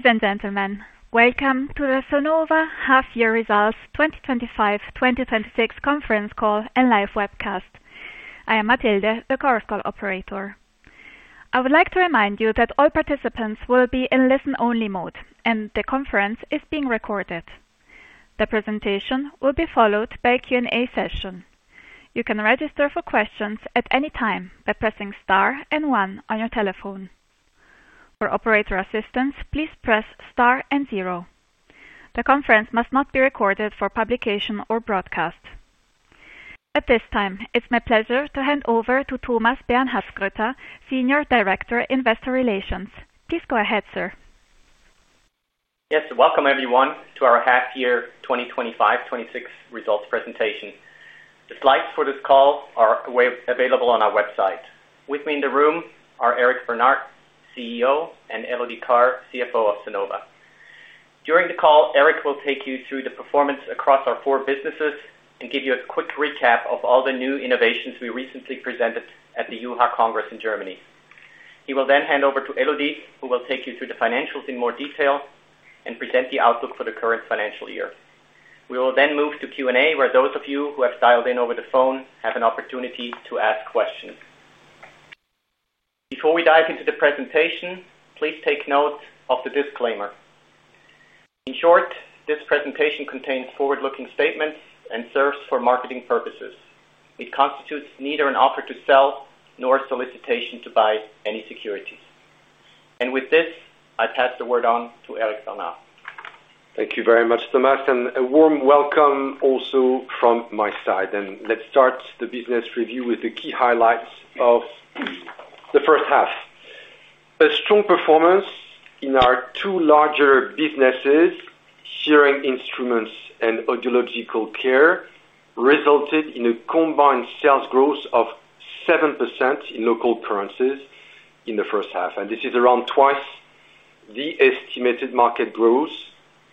Ladies and gentlemen, welcome to the Sonova Half-Year Results 2025-2026 Conference Call and Live Webcast. I am Matilde, the Chorus Call Operator. I would like to remind you that all participants will be in listen-only mode, and the conference is being recorded. The presentation will be followed by a Q&A session. You can register for questions at any time by pressing star and one on your telephone. For operator assistance, please press star and zero. The conference must not be recorded for publication or broadcast. At this time, it's my pleasure to hand over to Thomas Bernhardsgrütter, Senior Director, Investor Relations. Please go ahead, sir. Yes, welcome everyone to our Half-Year 2025-2026 Results Presentation. The slides for this call are available on our website. With me in the room are Eric Bernard, CEO, and Elodie Carr, CFO of Sonova. During the call, Eric will take you through the performance across our four businesses and give you a quick recap of all the new innovations we recently presented at the EUHA Congress in Germany. He will then hand over to Elodie, who will take you through the financials in more detail and present the outlook for the current financial year. We will then move to Q&A, where those of you who have dialed in over the phone have an opportunity to ask questions. Before we dive into the presentation, please take note of the disclaimer. In short, this presentation contains forward-looking statements and serves for marketing purposes. It constitutes neither an offer to sell nor a solicitation to buy any securities. With this, I pass the word on to Eric for now. Thank you very much, Thomas, and a warm welcome also from my side. Let's start the business review with the key highlights of the first half. A strong performance in our two larger businesses, hearing instruments and audiological care, resulted in a combined sales growth of 7% in local currencies in the first half. This is around twice the estimated market growth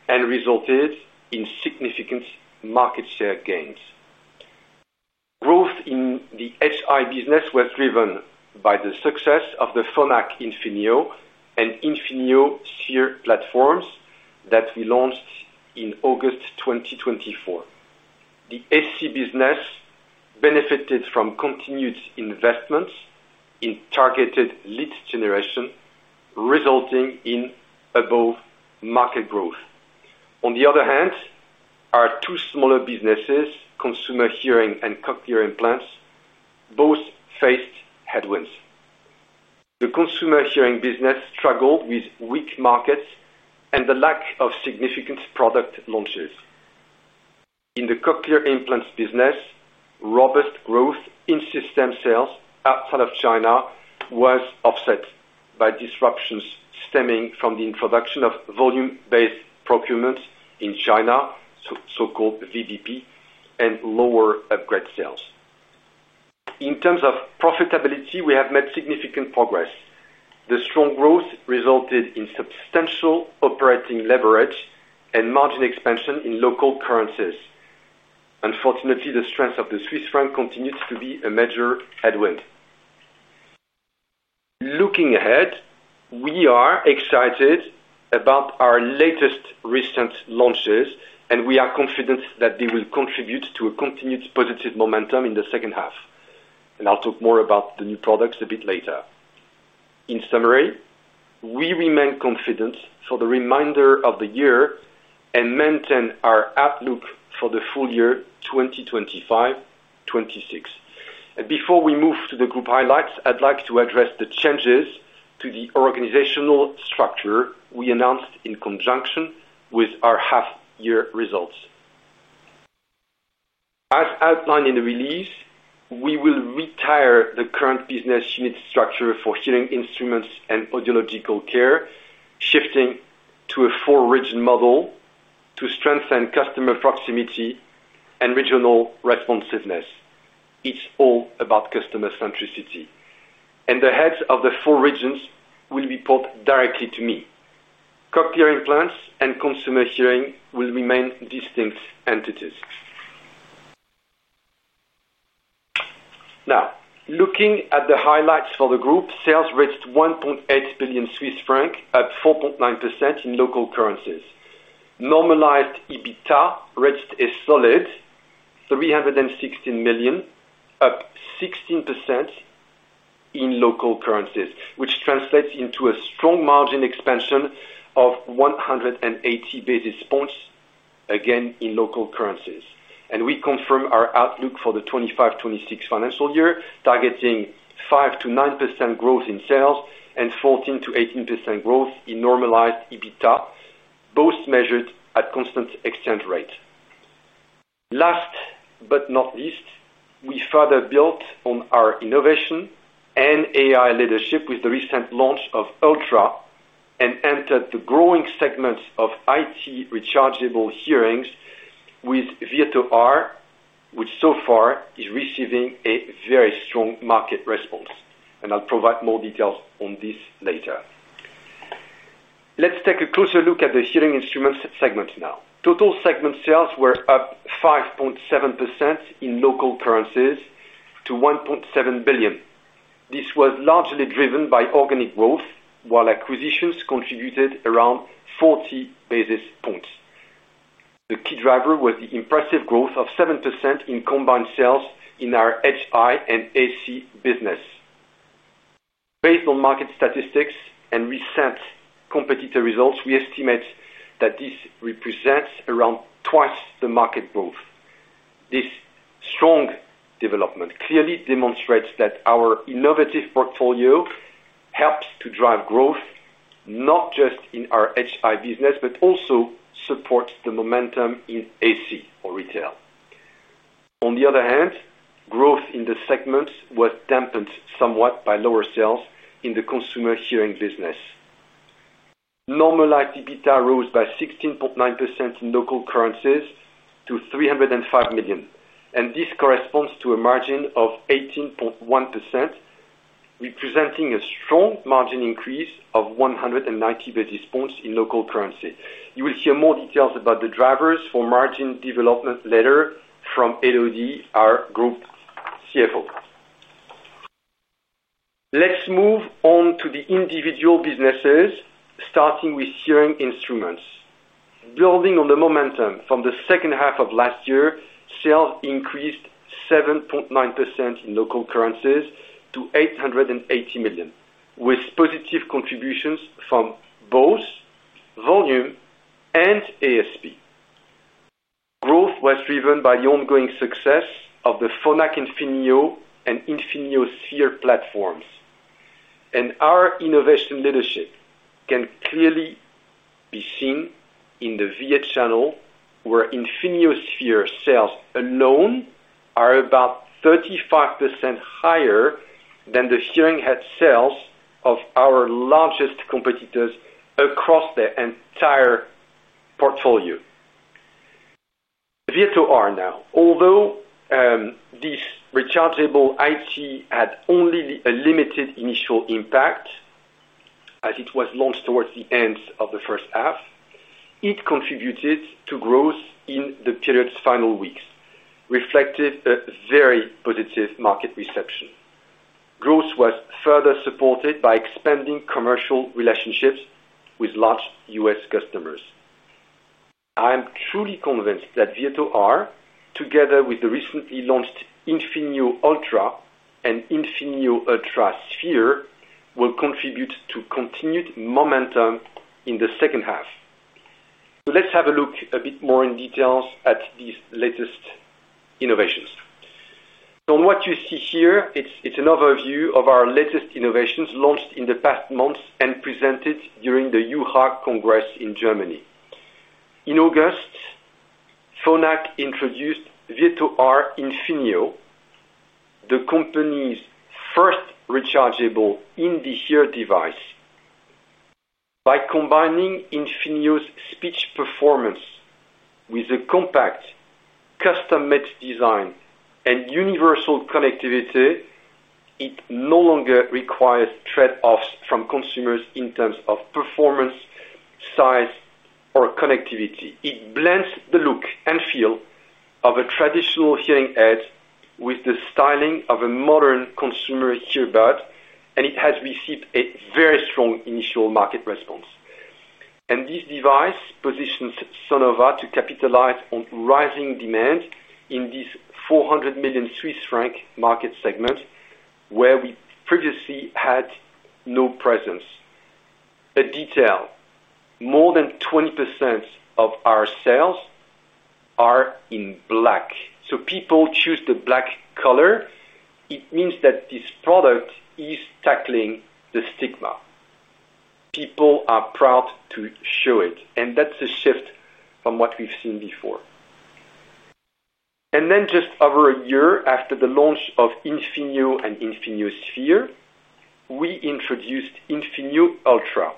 and resulted in significant market share gains. Growth in the HI business was driven by the success of the Phonak Infinio and Infinio Seer platforms that we launched in August 2024. The AC business benefited from continued investments in targeted lead generation, resulting in above-market growth. On the other hand, our two smaller businesses, consumer hearing and cochlear implants, both faced headwinds. The consumer hearing business struggled with weak markets and the lack of significant product launches. In the cochlear implants business, robust growth in system sales outside of China was offset by disruptions stemming from the introduction of volume-based procurement in China, so-called VBP, and lower upgrade sales. In terms of profitability, we have made significant progress. The strong growth resulted in substantial operating leverage and margin expansion in local currencies. Unfortunately, the strength of the Swiss franc continues to be a major headwind. Looking ahead, we are excited about our latest recent launches, and we are confident that they will contribute to a continued positive momentum in the second half. I will talk more about the new products a bit later. In summary, we remain confident for the remainder of the year and maintain our outlook for the full year 2025-2026. Before we move to the group highlights, I'd like to address the changes to the organizational structure we announced in conjunction with our half-year results. As outlined in the release, we will retire the current business unit structure for hearing instruments and audiological care, shifting to a four-region model to strengthen customer proximity and regional responsiveness. It's all about customer centricity. The heads of the four regions will report directly to me. Cochlear implants and consumer hearing will remain distinct entities. Now, looking at the highlights for the group, sales reached 1.8 billion Swiss francs, up 4.9% in local currencies. Normalized EBITDA reached a solid 316 million, up 16% in local currencies, which translates into a strong margin expansion of 180 basis points, again in local currencies. We confirm our outlook for the 2025-2026 financial year, targeting 5%-9% growth in sales and 14%-18% growth in normalized EBITDA, both measured at constant exchange rates. Last but not least, we further built on our innovation and AI leadership with the recent launch of Ultra and entered the growing segments of in-the-ear rechargeable hearings with VirtoR, which so far is receiving a very strong market response. I will provide more details on this later. Let's take a closer look at the hearing instruments segment now. Total segment sales were up 5.7% in local currencies to 1.7 billion. This was largely driven by organic growth, while acquisitions contributed around 40 basis points. The key driver was the impressive growth of 7% in combined sales in our HI and AC business. Based on market statistics and recent competitor results, we estimate that this represents around twice the market growth. This strong development clearly demonstrates that our innovative portfolio helps to drive growth, not just in our HI business, but also supports the momentum in AC or retail. On the other hand, growth in the segments was dampened somewhat by lower sales in the consumer hearing business. Normalized EBITDA rose by 16.9% in local currencies to 305 million. This corresponds to a margin of 18.1%, representing a strong margin increase of 190 basis points in local currency. You will hear more details about the drivers for margin development later from Elodie, our Group CFO. Let's move on to the individual businesses, starting with hearing instruments. Building on the momentum from the second half of last year, sales increased 7.9% in local currencies to 880 million, with positive contributions from both volume and ASP. Growth was driven by the ongoing success of the Phonak Infinio and Infinio Seer platforms. Our innovation leadership can clearly be seen in the VA channel, where Infinio Seer sales alone are about 35% higher than the hearing instrument sales of our largest competitors across their entire portfolio. VirtoR now, although this rechargeable in-the-ear had only a limited initial impact as it was launched towards the end of the first half, it contributed to growth in the period's final weeks, reflecting a very positive market reception. Growth was further supported by expanding commercial relationships with large U.S. customers. I am truly convinced that VirtoR, together with the recently launched Infinio Ultra and Infinio Ultra Seer, will contribute to continued momentum in the second half. Let's have a look a bit more in detail at these latest innovations. What you see here is an overview of our latest innovations launched in the past months and presented during the UHA Congress in Germany. In August, Phonak introduced VirtoR Infinio, the company's first rechargeable in-the-ear device. By combining Infinio's speech performance with a compact, custom-made design and universal connectivity, it no longer requires trade-offs from consumers in terms of performance, size, or connectivity. It blends the look and feel of a traditional hearing aid with the styling of a modern consumer earbud, and it has received a very strong initial market response. This device positions Sonova to capitalize on rising demand in this 400 million Swiss franc market segment, where we previously had no presence. A detail: more than 20% of our sales are in black. People choose the black color. It means that this product is tackling the stigma. People are proud to show it. That is a shift from what we have seen before. Just over a year after the launch of Infinio and Infinio Seer, we introduced Infinio Ultra,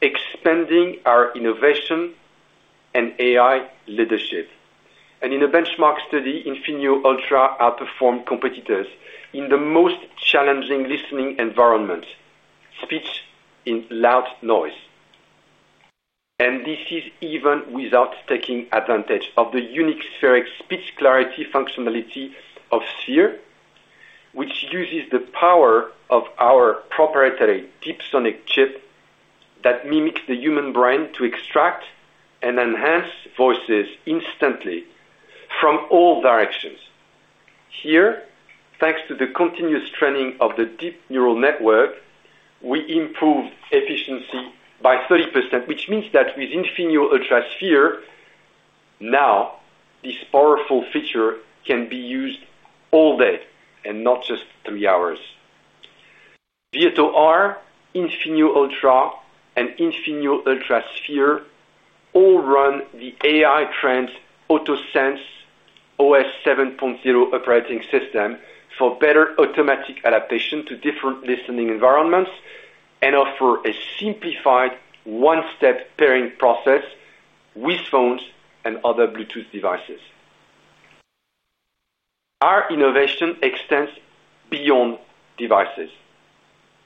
expanding our innovation and AI leadership. In a benchmark study, Infinio Ultra outperformed competitors in the most challenging listening environment, speech in loud noise. This is even without taking advantage of the unique spheric speech clarity functionality of Seer, which uses the power of our proprietary DEEPSONIC chip that mimics the human brain to extract and enhance voices instantly from all directions. Here, thanks to the continuous training of the deep neural network, we improved efficiency by 30%, which means that with Infinio Ultra Seer, now this powerful feature can be used all day and not just three hours. VirtoR, Infinio Ultra, and Infinio Ultra Seer all run the AI-trenched AutoSense OS 7.0 operating system for better automatic adaptation to different listening environments and offer a simplified one-step pairing process with phones and other Bluetooth devices. Our innovation extends beyond devices.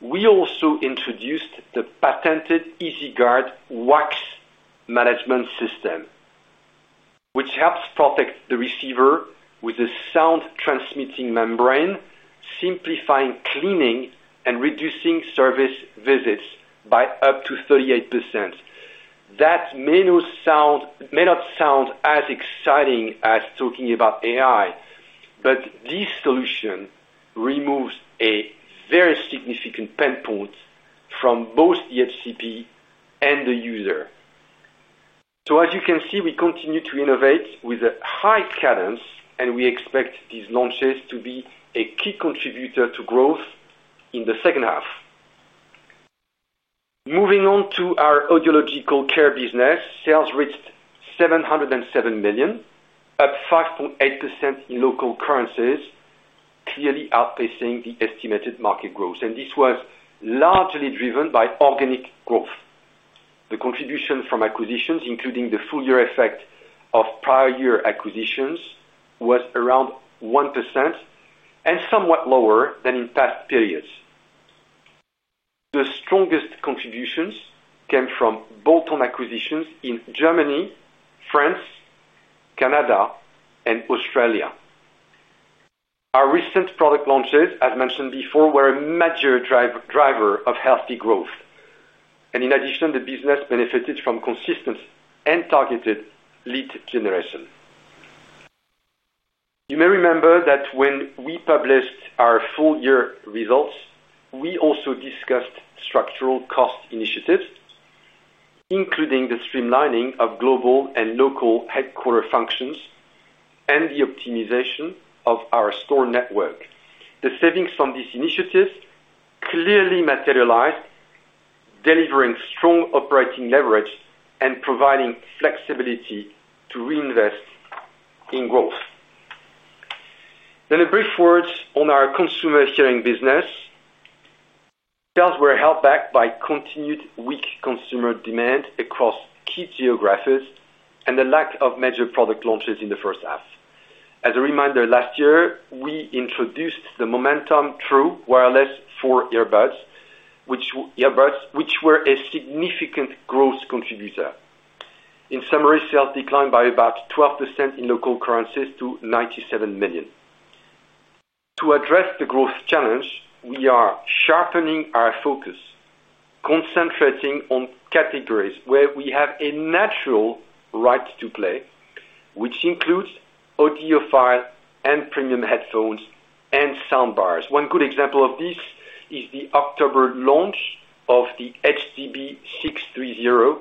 We also introduced the patented EasyGuard Wax Management System, which helps protect the receiver with a sound-transmitting membrane, simplifying cleaning and reducing service visits by up to 38%. That may not sound as exciting as talking about AI, but this solution removes a very significant pain point from both the HCP and the user. As you can see, we continue to innovate with a high cadence, and we expect these launches to be a key contributor to growth in the second half. Moving on to our audiological care business, sales reached 707 million, up 5.8% in local currencies, clearly outpacing the estimated market growth. This was largely driven by organic growth. The contribution from acquisitions, including the full-year effect of prior year acquisitions, was around 1% and somewhat lower than in past periods. The strongest contributions came from Bolt-On Acquisitions in Germany, France, Canada, and Australia. Our recent product launches, as mentioned before, were a major driver of healthy growth. In addition, the business benefited from consistent and targeted lead generation. You may remember that when we published our full-year results, we also discussed structural cost initiatives, including the streamlining of global and local headquarter functions and the optimization of our store network. The savings from this initiative clearly materialized, delivering strong operating leverage and providing flexibility to reinvest in growth. A brief word on our consumer hearing business. Sales were held back by continued weak consumer demand across key geographies and the lack of major product launches in the first half. As a reminder, last year, we introduced the MOMENTUM True Wireless 4 earbuds, which were a significant growth contributor. In summary, sales declined by about 12% in local currencies to 97 million. To address the growth challenge, we are sharpening our focus, concentrating on categories where we have a natural right to play, which includes audiophile and premium headphones and soundbars. One good example of this is the October launch of the HDB 630,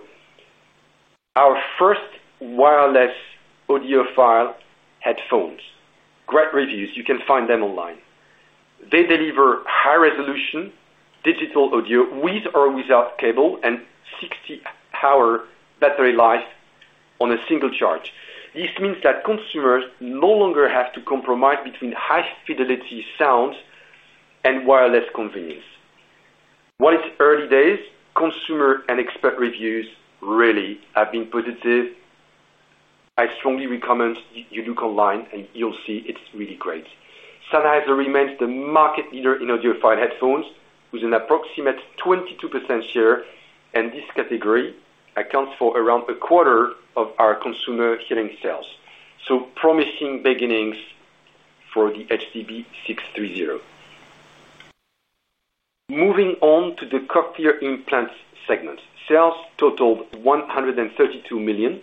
our first wireless audiophile headphones. Great reviews. You can find them online. They deliver high-resolution digital audio with or without cable and 60-hour battery life on a single charge. This means that consumers no longer have to compromise between high-fidelity sound and wireless convenience. While it's early days, consumer and expert reviews really have been positive. I strongly recommend you look online and you'll see it's really great. Sennheiser remains the market leader in audiophile headphones with an approximate 22% share, and this category accounts for around a quarter of our consumer hearing sales. Promising beginnings for the HDB 630. Moving on to the cochlear implant segment, sales totaled 132 million,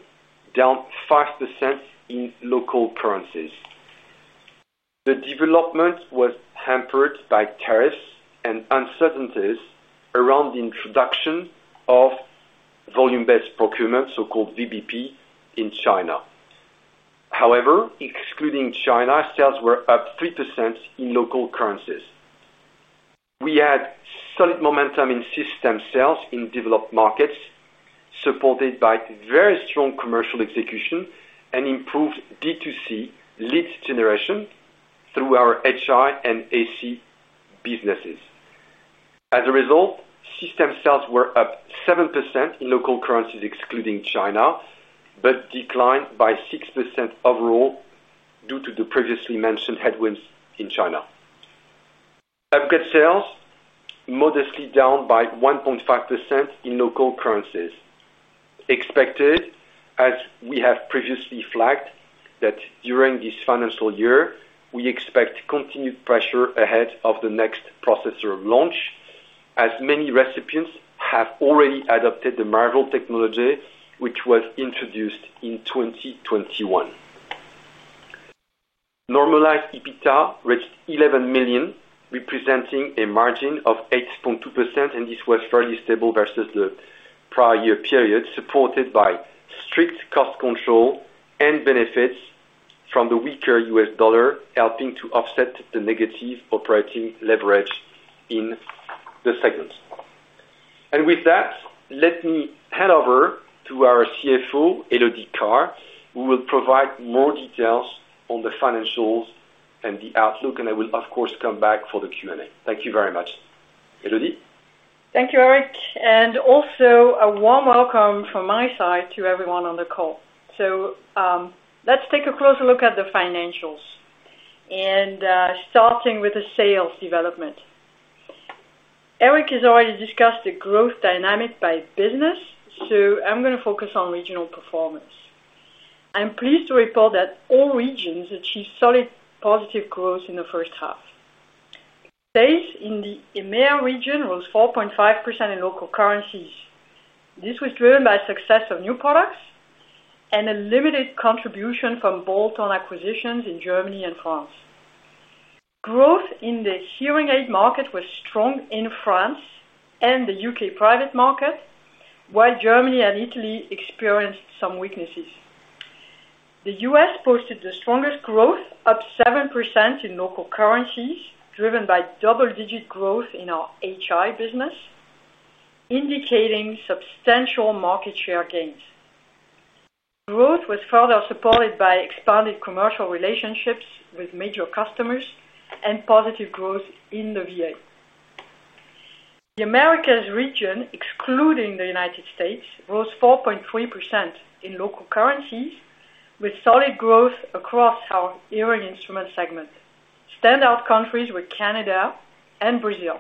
down 5% in local currencies. The development was hampered by tariffs and uncertainties around the introduction of volume-based procurement, so-called VBP, in China. However, excluding China, sales were up 3% in local currencies. We had solid momentum in system sales in developed markets, supported by very strong commercial execution and improved D2C lead generation through our HI and AC businesses. As a result, system sales were up 7% in local currencies, excluding China, but declined by 6% overall due to the previously mentioned headwinds in China. Aggregate sales modestly down by 1.5% in local currencies. Expected, as we have previously flagged, that during this financial year, we expect continued pressure ahead of the next processor launch, as many recipients have already adopted the Marvel technology, which was introduced in 2021. Normalized EBITDA reached 11 million, representing a margin of 8.2%, and this was fairly stable versus the prior year period, supported by strict cost control and benefits from the weaker U.S. dollar, helping to offset the negative operating leverage in the segment. With that, let me hand over to our CFO, Elodie Carr, who will provide more details on the financials and the outlook. I will, of course, come back for the Q&A. Thank you very much, Elodie? Thank you, Eric. Also a warm welcome from my side to everyone on the call. Let's take a closer look at the financials, starting with the sales development. Eric has already discussed the growth dynamic by business, so I'm going to focus on regional performance. I'm pleased to report that all regions achieved solid positive growth in the first half. Sales in the EMEA region rose 4.5% in local currencies. This was driven by the success of new products and a limited contribution from bolt-on acquisitions in Germany and France. Growth in the hearing aid market was strong in France and the U.K. private market, while Germany and Italy experienced some weaknesses. The U.S. posted the strongest growth, up 7% in local currencies, driven by double-digit growth in our HI business, indicating substantial market share gains. Growth was further supported by expanded commercial relationships with major customers and positive growth in the VA. The Americas region, excluding the United States, rose 4.3% in local currencies, with solid growth across our hearing instrument segment. Standout countries were Canada and Brazil.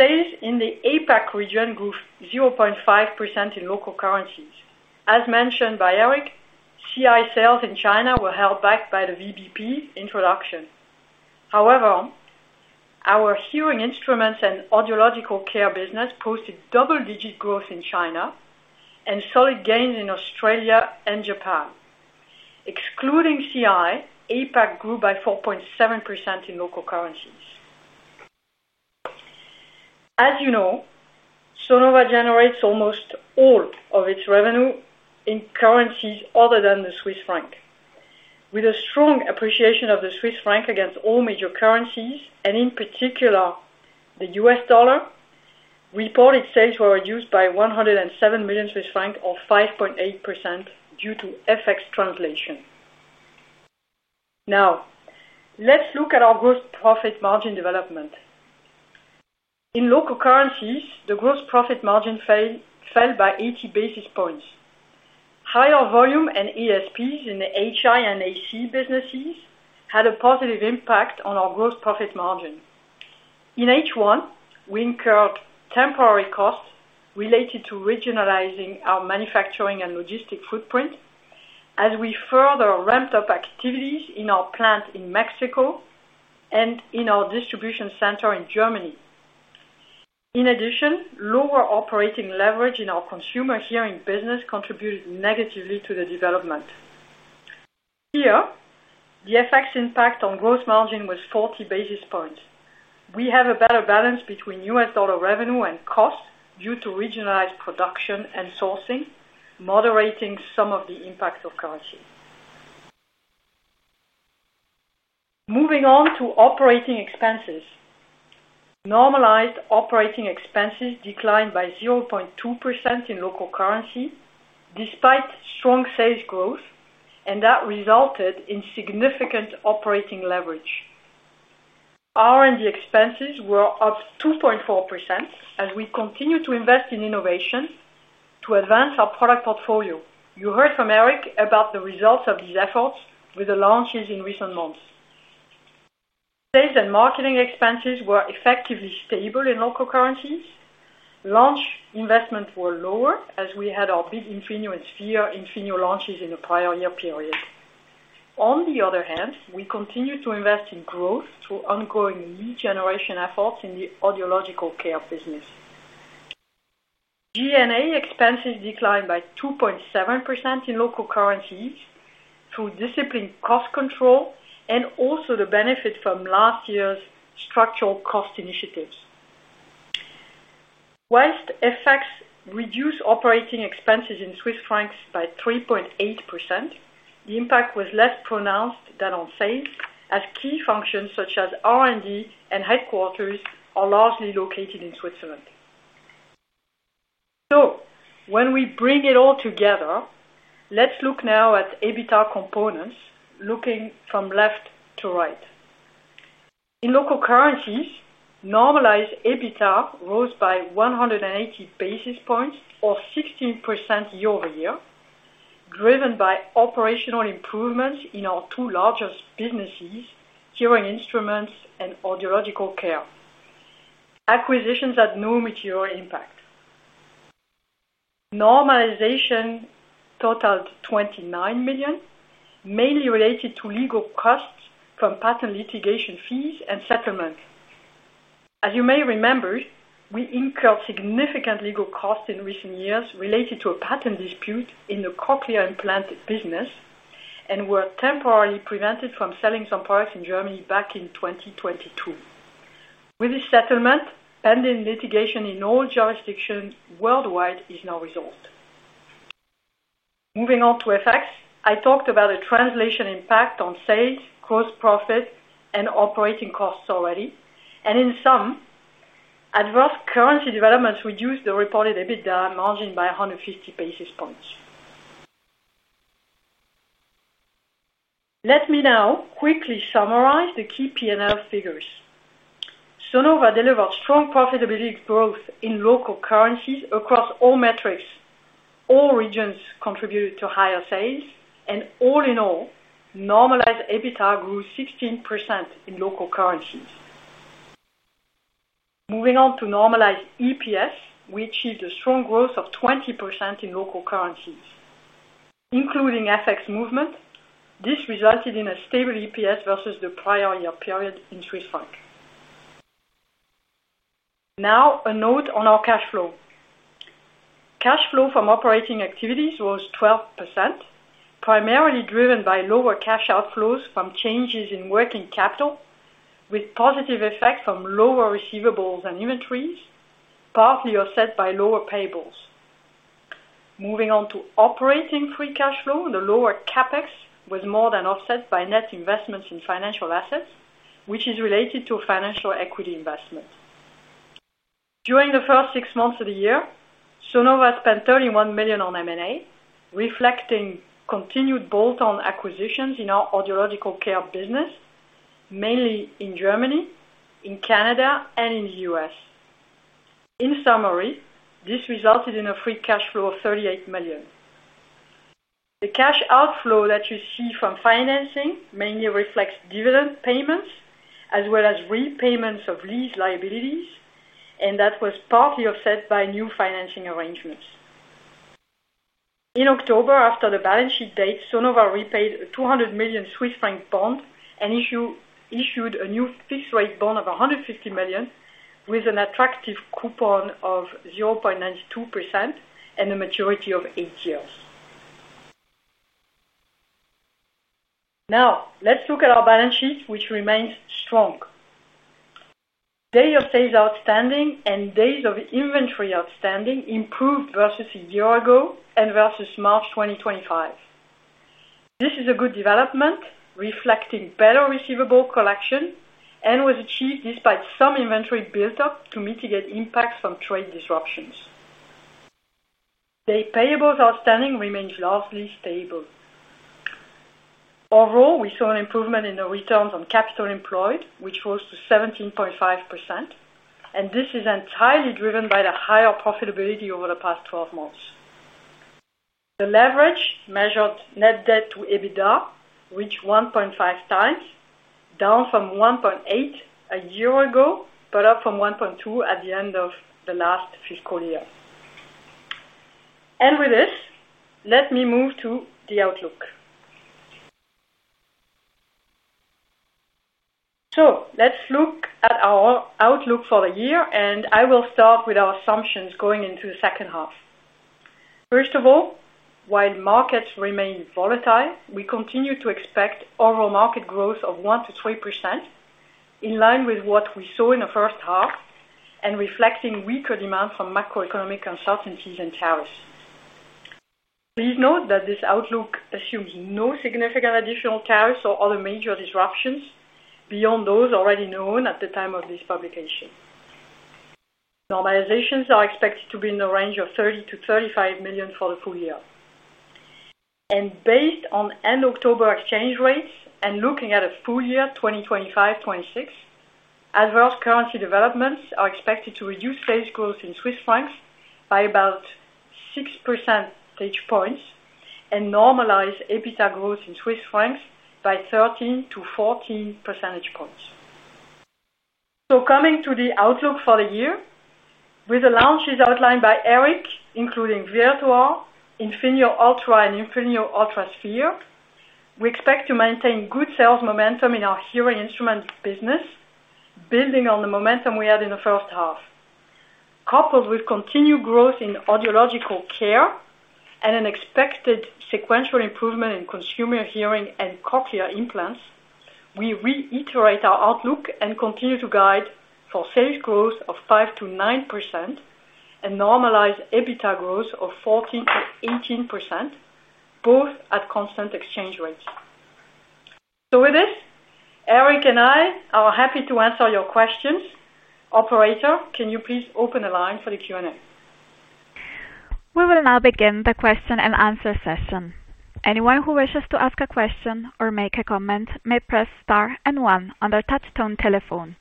Sales in the APAC region grew 0.5% in local currencies. As mentioned by Eric, CI sales in China were held back by the VBP introduction. However, our hearing instruments and audiological care business posted double-digit growth in China and solid gains in Australia and Japan. Excluding CI, APAC grew by 4.7% in local currencies. As you know, Sonova generates almost all of its revenue in currencies other than the Swiss franc. With a strong appreciation of the Swiss franc against all major currencies, and in particular the US dollar, reported sales were reduced by 107 million Swiss francs, or 5.8%, due to FX translation. Now, let's look at our gross profit margin development. In local currencies, the gross profit margin fell by 80 basis points. Higher volume and ASPs in the HI and AC businesses had a positive impact on our gross profit margin. In H1, we incurred temporary costs related to regionalizing our manufacturing and logistic footprint, as we further ramped up activities in our plant in Mexico and in our distribution center in Germany. In addition, lower operating leverage in our consumer hearing business contributed negatively to the development. Here, the FX impact on gross margin was 40 basis points. We have a better balance between US dollar revenue and costs due to regionalized production and sourcing, moderating some of the impact of currency. Moving on to operating expenses. Normalized operating expenses declined by 0.2% in local currency, despite strong sales growth, and that resulted in significant operating leverage. R&D expenses were up 2.4%, as we continue to invest in innovation to advance our product portfolio. You heard from Eric about the results of these efforts with the launches in recent months. Sales and marketing expenses were effectively stable in local currencies. Launch investments were lower, as we had our big Infinio Sphere. Infinio launches in the prior year period. On the other hand, we continue to invest in growth through ongoing lead generation efforts in the audiological care business. G&A expenses declined by 2.7% in local currencies through disciplined cost control and also the benefit from last year's structural cost initiatives. Whilst FX reduced operating expenses in Swiss francs by 3.8%, the impact was less pronounced than on sales, as key functions such as R&D and headquarters are largely located in Switzerland. When we bring it all together, let's look now at EBITDA components, looking from left to right. In local currencies, normalized EBITDA rose by 180 basis points, or 16% year-over-year, driven by operational improvements in our two largest businesses, hearing instruments and audiological care. Acquisitions had no material impact. Normalization totaled 29 million, mainly related to legal costs from patent litigation fees and settlement. As you may remember, we incurred significant legal costs in recent years related to a patent dispute in the cochlear implant business and were temporarily prevented from selling some products in Germany back in 2022. With this settlement, pending litigation in all jurisdictions worldwide is now resolved. Moving on to FX, I talked about the translation impact on sales, gross profit, and operating costs already. In sum, adverse currency developments reduced the reported EBITDA margin by 150 basis points. Let me now quickly summarize the key P&L figures. Sonova delivered strong profitability growth in local currencies across all metrics. All regions contributed to higher sales, and all in all, normalized EBITDA grew 16% in local currencies. Moving on to normalized EPS, we achieved a strong growth of 20% in local currencies, including FX movement. This resulted in a stable EPS versus the prior year period in Swiss francs. Now, a note on our cash flow. Cash flow from operating activities was 12%, primarily driven by lower cash outflows from changes in working capital, with positive effects from lower receivables and inventories, partly offset by lower payables. Moving on to operating free cash flow, the lower CapEx was more than offset by net investments in financial assets, which is related to financial equity investment. During the first six months of the year, Sonova spent 31 million on M&A, reflecting continued Bolton acquisitions in our audiological care business, mainly in Germany, in Canada, and in the US. In summary, this resulted in a free cash flow of 38 million. The cash outflow that you see from financing mainly reflects dividend payments, as well as repayments of lease liabilities, and that was partly offset by new financing arrangements. In October, after the balance sheet date, Sonova repaid a 200 million Swiss franc bond and issued a new fixed-rate bond of 150 million, with an attractive coupon of 0.92% and a maturity of eight years. Now, let's look at our balance sheet, which remains strong. Days of sales outstanding and days of inventory outstanding improved versus a year ago and versus March 2025. This is a good development, reflecting better receivable collection and was achieved despite some inventory build-up to mitigate impacts from trade disruptions. Days payables outstanding remains largely stable. Overall, we saw an improvement in the returns on capital employed, which rose to 17.5%, and this is entirely driven by the higher profitability over the past 12 months. The leverage measured net debt to EBITDA reached 1.5 times, down from 1.8 a year ago, but up from 1.2 at the end of the last fiscal year. With this, let me move to the outlook. Let's look at our outlook for the year, and I will start with our assumptions going into the second half. First of all, while markets remain volatile, we continue to expect overall market growth of 1-3%, in line with what we saw in the first half and reflecting weaker demand from macroeconomic uncertainties and tariffs. Please note that this outlook assumes no significant additional tariffs or other major disruptions beyond those already known at the time of this publication. Normalizations are expected to be in the range of 30 million-35 million for the full year. Based on end October exchange rates and looking at a full year, 2025-2026, adverse currency developments are expected to reduce sales growth in Swiss francs by about 6 percentage points and normalize EBITDA growth in Swiss francs by 13-14 percentage points. Coming to the outlook for the year, with the launches outlined by Eric, including VirtoR Infinio, Infinio Ultra, and Infinio Ultra Seer, we expect to maintain good sales momentum in our hearing instrument business, building on the momentum we had in the first half. Coupled with continued growth in audiological care and an expected sequential improvement in consumer hearing and cochlear implants, we reiterate our outlook and continue to guide for sales growth of 5-9% and normalize EBITDA growth of 14-18%, both at constant exchange rates. With this, Eric and I are happy to answer your questions. Operator, can you please open the line for the Q&A? We will now begin the question and answer session. Anyone who wishes to ask a question or make a comment may press star and one on their touch-tone telephone.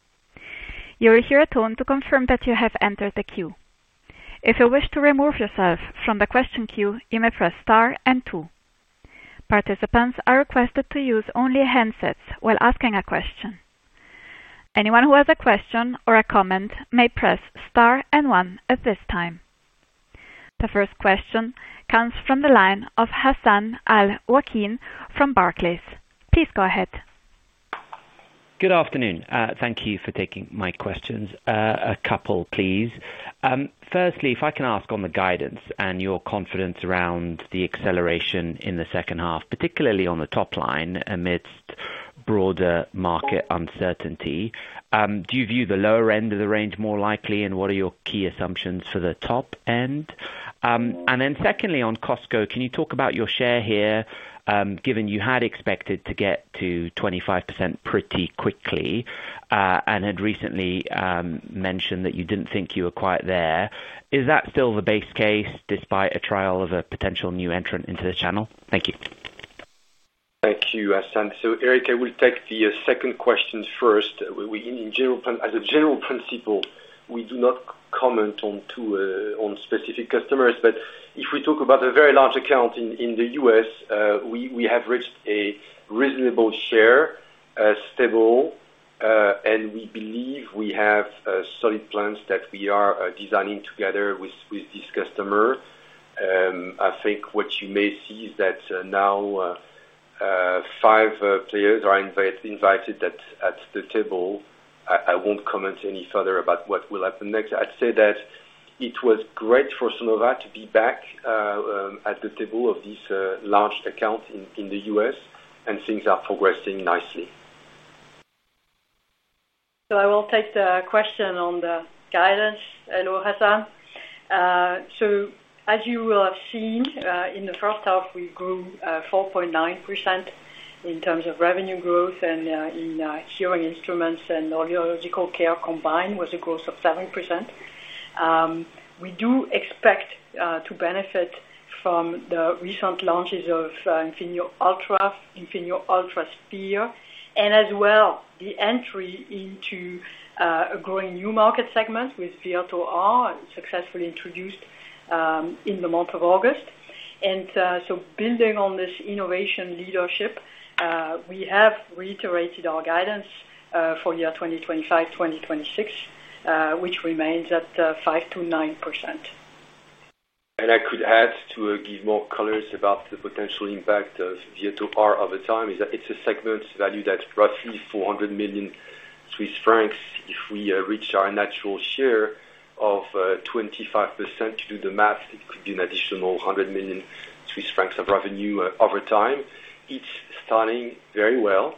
You will hear a tone to confirm that you have entered the queue. If you wish to remove yourself from the question queue, you may press star and two. Participants are requested to use only handsets while asking a question. Anyone who has a question or a comment may press star and one at this time. The first question comes from the line of Hassan Al-Wakeel from Barclays. Please go ahead. Good afternoon. Thank you for taking my questions. A couple, please. Firstly, if I can ask on the guidance and your confidence around the acceleration in the second half, particularly on the top line amidst broader market uncertainty. Do you view the lower end of the range more likely, and what are your key assumptions for the top end? Secondly, on Costco, can you talk about your share here, given you had expected to get to 25% pretty quickly and had recently mentioned that you did not think you were quite there? Is that still the base case despite a trial of a potential new entrant into the channel? Thank you. Thank you, Hassan. Eric, I will take the second question first. As a general principle, we do not comment on specific customers, but if we talk about a very large account in the US, we have reached a reasonable share, stable, and we believe we have solid plans that we are designing together with this customer. I think what you may see is that now five players are invited at the table. I won't comment any further about what will happen next. I'd say that it was great for Sonova to be back at the table of this large account in the U.S., and things are progressing nicely. I will take the question on the guidance. Hello, Hassan. As you will have seen, in the first half, we grew 4.9% in terms of revenue growth, and in hearing instruments and audiological care combined was a growth of 7%. We do expect to benefit from the recent launches of Infinio Ultra, Infinio Ultra Seer, and as well, the entry into a growing new market segment with VirtoR, successfully introduced in the month of August. Building on this innovation leadership, we have reiterated our guidance for year 2025-2026, which remains at 5-9%. I could add to give more colors about the potential impact of VirtoR over time, is that it's a segment value that's roughly 400 million Swiss francs. If we reach our natural share of 25%, to do the math, it could be an additional 100 million Swiss francs of revenue over time. It's starting very well.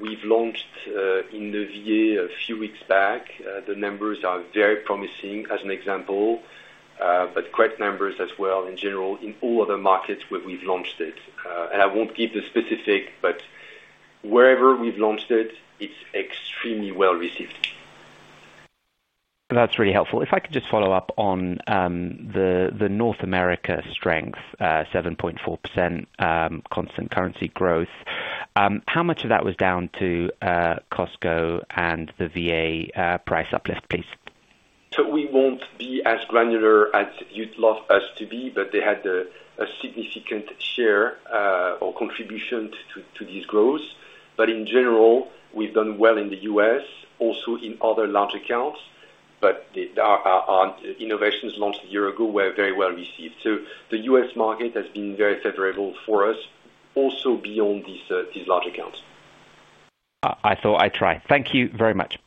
We've launched in the VA a few weeks back. The numbers are very promising, as an example, but great numbers as well in general in all other markets where we've launched it. I won't give the specifics, but wherever we've launched it, it's extremely well received. That's really helpful. If I could just follow up on the North America strength, 7.4% constant currency growth, how much of that was down to Costco and the VA price uplift, please? We will not be as granular as you would love us to be, but they had a significant share or contribution to this growth. In general, we have done well in the US, also in other large accounts, but our innovations launched a year ago were very well received. The U.S. market has been very favorable for us, also beyond these large accounts. I thought I would try. Thank you very much.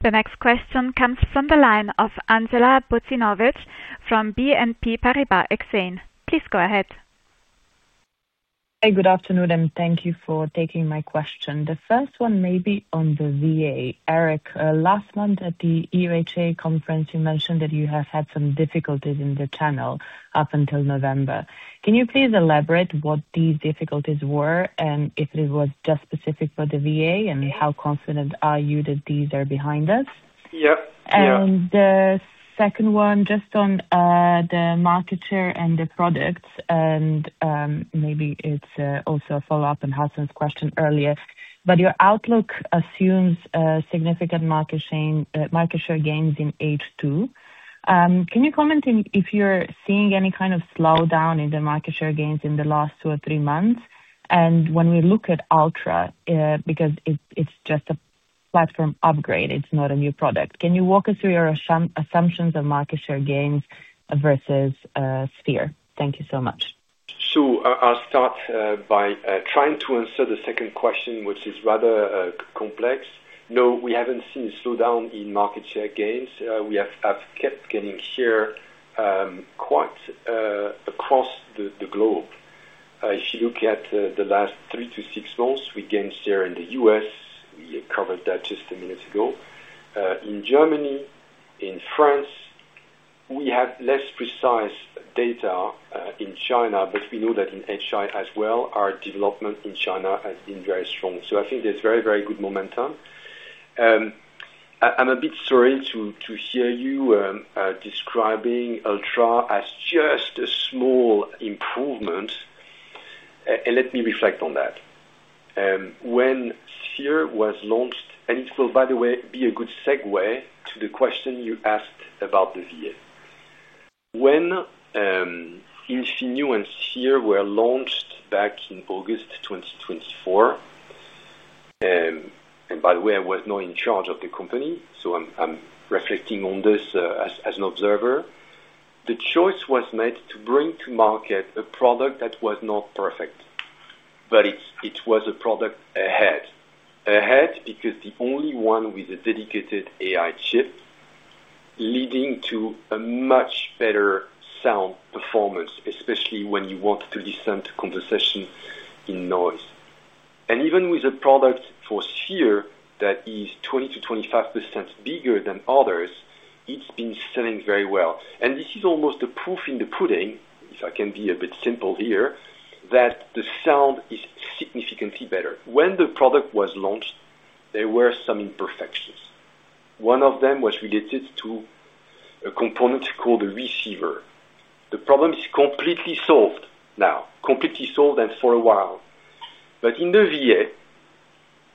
The next question comes from the line of Andjela Bozinovic from BNP Paribas. Please go ahead. Hi, good afternoon, and thank you for taking my question. The first one may be on the VA. Eric, last month at the EHA conference, you mentioned that you have had some difficulties in the channel up until November. Can you please elaborate what these difficulties were and if it was just specific for the VA and how confident are you that these are behind us? Yeah. Yeah. The second one, just on the market share and the products, and maybe it's also a follow-up on Hassan's question earlier, but your outlook assumes significant market share gains in H2. Can you comment if you're seeing any kind of slowdown in the market share gains in the last two or three months? When we look at Ultra, because it's just a platform upgrade, it's not a new product, can you walk us through your assumptions of market share gains versus Sphere? Thank you so much. I'll start by trying to answer the second question, which is rather complex. No, we haven't seen a slowdown in market share gains. We have kept getting share quite across the globe. If you look at the last three to six months, we gained share in the US. We covered that just a minute ago. In Germany, in France, we have less precise data in China, but we know that in HI as well, our development in China has been very strong. I think there's very, very good momentum. I'm a bit sorry to hear you describing Ultra as just a small improvement, and let me reflect on that. When Sphere was launched, and it will, by the way, be a good segue to the question you asked about the VA. When Infinio and Sphere were launched back in August 2024, and by the way, I was not in charge of the company, so I'm reflecting on this as an observer, the choice was made to bring to market a product that was not perfect, but it was a product ahead. Ahead because the only one with a dedicated AI chip leading to a much better sound performance, especially when you want to listen to conversation in noise. Even with a product for Sphere that is 20-25% bigger than others, it's been selling very well. This is almost a proof in the pudding, if I can be a bit simple here, that the sound is significantly better. When the product was launched, there were some imperfections. One of them was related to a component called the receiver. The problem is completely solved now, completely solved and for a while. In the VA,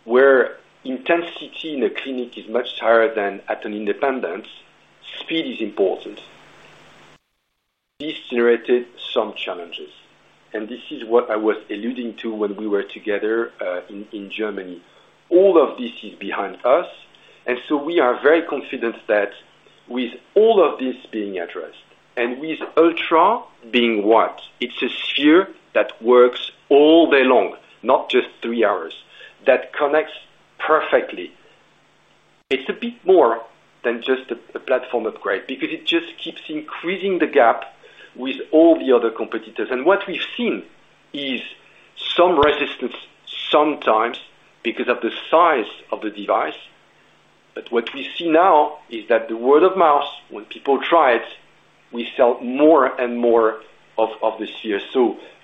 where intensity in a clinic is much higher than at an independent, speed is important. This generated some challenges, and this is what I was alluding to when we were together in Germany. All of this is behind us, and we are very confident that with all of this being addressed and with Ultra being what? It is a sphere that works all day long, not just three hours, that connects perfectly. It is a bit more than just a platform upgrade because it just keeps increasing the gap with all the other competitors. What we have seen is some resistance sometimes because of the size of the device, but what we see now is that the word of mouth, when people try it, we sell more and more of the sphere.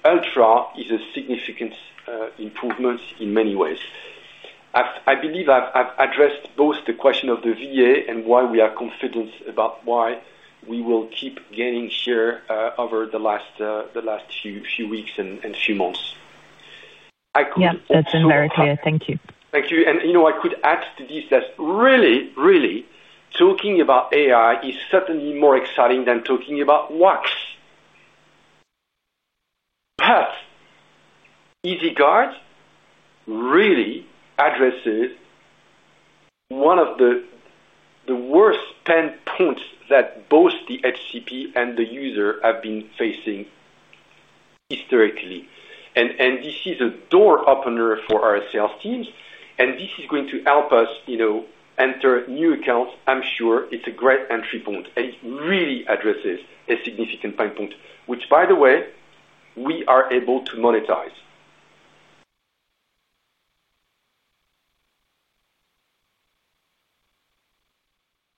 Ultra is a significant improvement in many ways. I believe I have addressed both the question of the VA and why we are confident about why we will keep gaining share over the last few weeks and few months. Yes, that is very clear. Thank you. Thank you. I could add to this that really, really talking about AI is certainly more exciting than talking about wax. EasyGuard really addresses one of the worst pain points that both the HCP and the user have been facing historically. This is a door opener for our sales teams, and this is going to help us enter new accounts. I'm sure it's a great entry point, and it really addresses a significant pain point, which, by the way, we are able to monetize.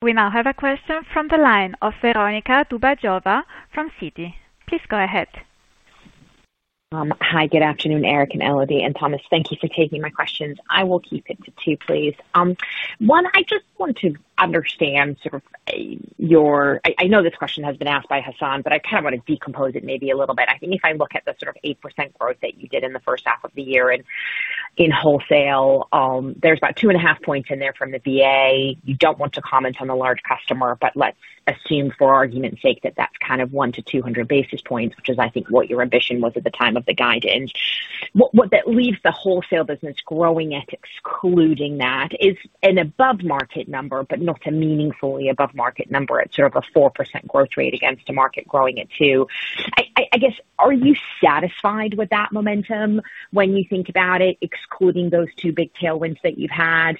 We now have a question from the line of Veronika Dubajova from Citi. Please go ahead. Hi, good afternoon, Eric and Elodie and Thomas. Thank you for taking my questions. I will keep it to two, please. One, I just want to understand sort of your, I know this question has been asked by Hassan, but I kind of want to decompose it maybe a little bit. I think if I look at the sort of 8% growth that you did in the first half of the year in wholesale, there's about two and a half points in there from the VA. You don't want to comment on the large customer, but let's assume for argument's sake that that's kind of 100-200 basis points, which is I think what your ambition was at the time of the guidance. What that leaves the wholesale business growing at excluding that is an above-market number, but not a meaningfully above-market number. It's sort of a 4% growth rate against a market growing at two. I guess, are you satisfied with that momentum when you think about it, excluding those two big tailwinds that you've had?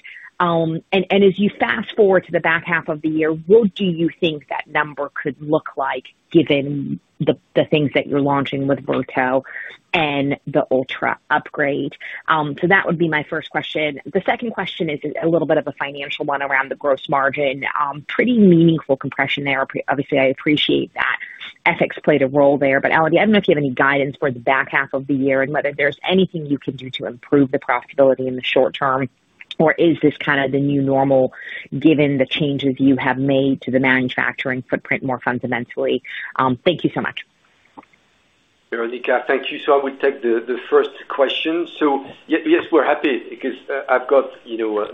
As you fast forward to the back half of the year, what do you think that number could look like given the things that you're launching with Virto and the Ultra upgrade? That would be my first question. The second question is a little bit of a financial one around the gross margin. Pretty meaningful compression there. Obviously, I appreciate that. Ethics played a role there. Elodie, I don't know if you have any guidance for the back half of the year and whether there's anything you can do to improve the profitability in the short term, or is this kind of the new normal given the changes you have made to the manufacturing footprint more fundamentally? Thank you so much. Veronika, thank you. I will take the first question. Yes, we're happy because I've got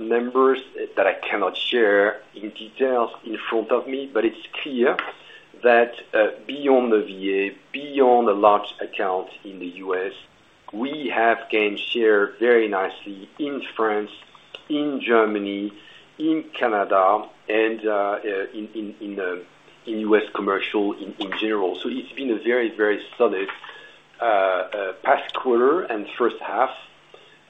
numbers that I cannot share in detail in front of me, but it's clear that beyond the VA, beyond the large accounts in the US, we have gained share very nicely in France, in Germany, in Canada, and in U.S. commercial in general. It's been a very, very solid past quarter and first half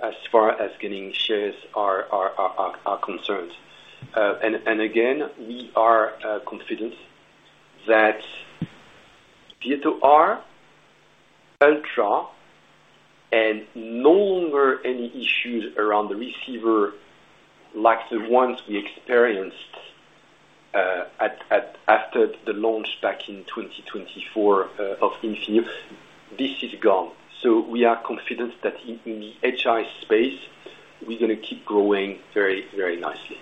as far as getting shares are concerned. Again, we are confident that VirtoR, Ultra, and no longer any issues around the receiver like the ones we experienced after the launch back in 2024 of Infinio, this is gone. We are confident that in the HI space, we're going to keep growing very, very nicely.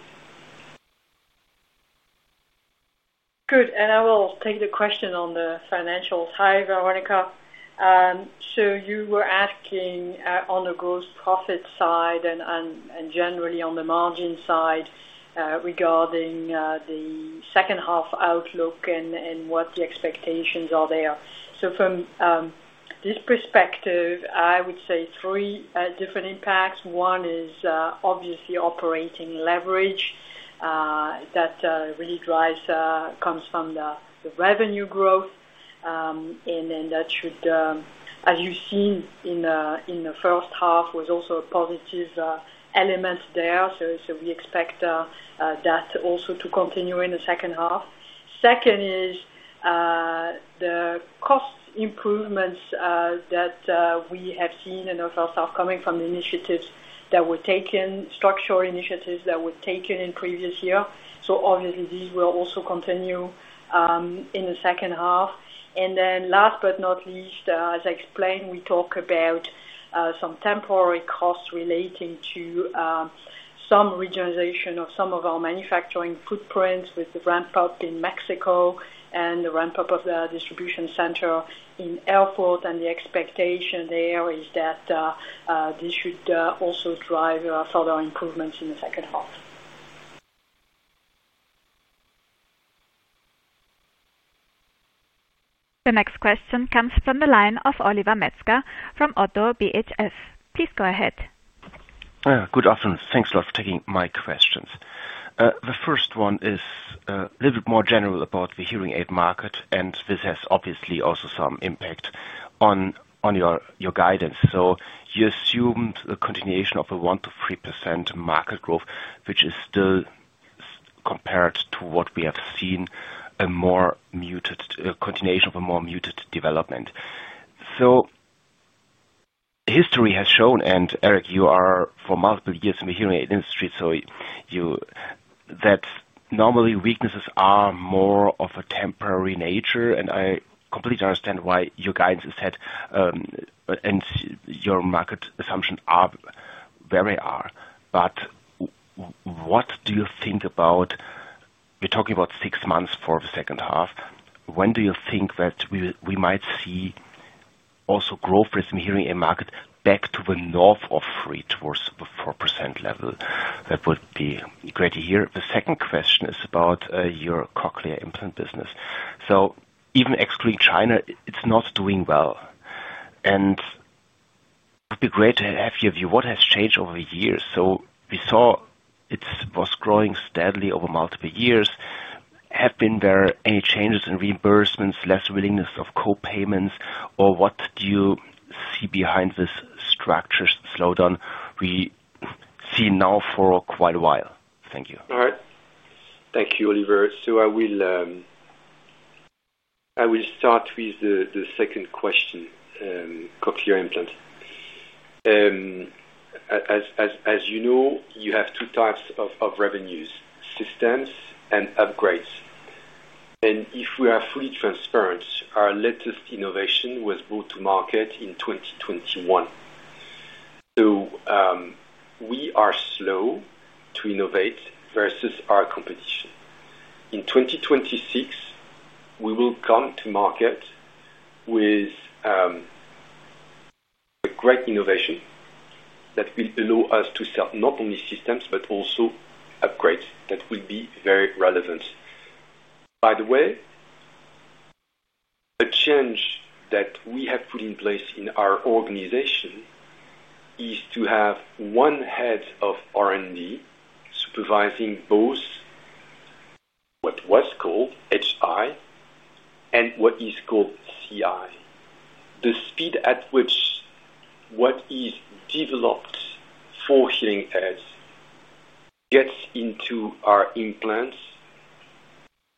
Good. I will take the question on the financials. Hi, Veronika. You were asking on the gross profit side and generally on the margin side regarding the second half outlook and what the expectations are there. From this perspective, I would say three different impacts. One is obviously operating leverage that really comes from the revenue growth, and that should, as you have seen in the first half, was also a positive element there. We expect that also to continue in the second half. Second is the cost improvements that we have seen in the first half coming from the initiatives that were taken, structural initiatives that were taken in previous year. Obviously, these will also continue in the second half. Last but not least, as I explained, we talk about some temporary costs relating to some regionalization of some of our manufacturing footprints with the ramp-up in Mexico and the ramp-up of the distribution center in Airport. The expectation there is that this should also drive further improvements in the second half. The next question comes from the line of Oliver Metzger from ODDO BHF. Please go ahead. Good afternoon. Thanks a lot for taking my questions. The first one is a little bit more general about the hearing aid market, and this has obviously also some impact on your guidance. You assumed the continuation of a 1-3% market growth, which is still compared to what we have seen, a more muted continuation of a more muted development. History has shown, and Eric, you are for multiple years in the hearing aid industry, that normally weaknesses are more of a temporary nature, and I completely understand why your guidance is that and your market assumptions are where they are. What do you think about, we're talking about six months for the second half. When do you think that we might see also growth risk in the hearing aid market back to the north of 3% towards the 4% level? That would be great to hear. The second question is about your cochlear implant business. Even excluding China, it's not doing well. It would be great to have your view. What has changed over the years? We saw it was growing steadily over multiple years. Have there been any changes in reimbursements, less willingness of co-payments, or what do you see behind this structural slowdown we see now for quite a while? Thank you. All right. Thank you, Oliver. I will start with the second question, cochlear implants. As you know, you have two types of revenues: systems and upgrades. If we are fully transparent, our latest innovation was brought to market in 2021. We are slow to innovate versus our competition. In 2026, we will come to market with a great innovation that will allow us to sell not only systems, but also upgrades that will be very relevant. By the way, a change that we have put in place in our organization is to have one head of R&D supervising both what was called HI and what is called CI. The speed at which what is developed for hearing aids gets into our implants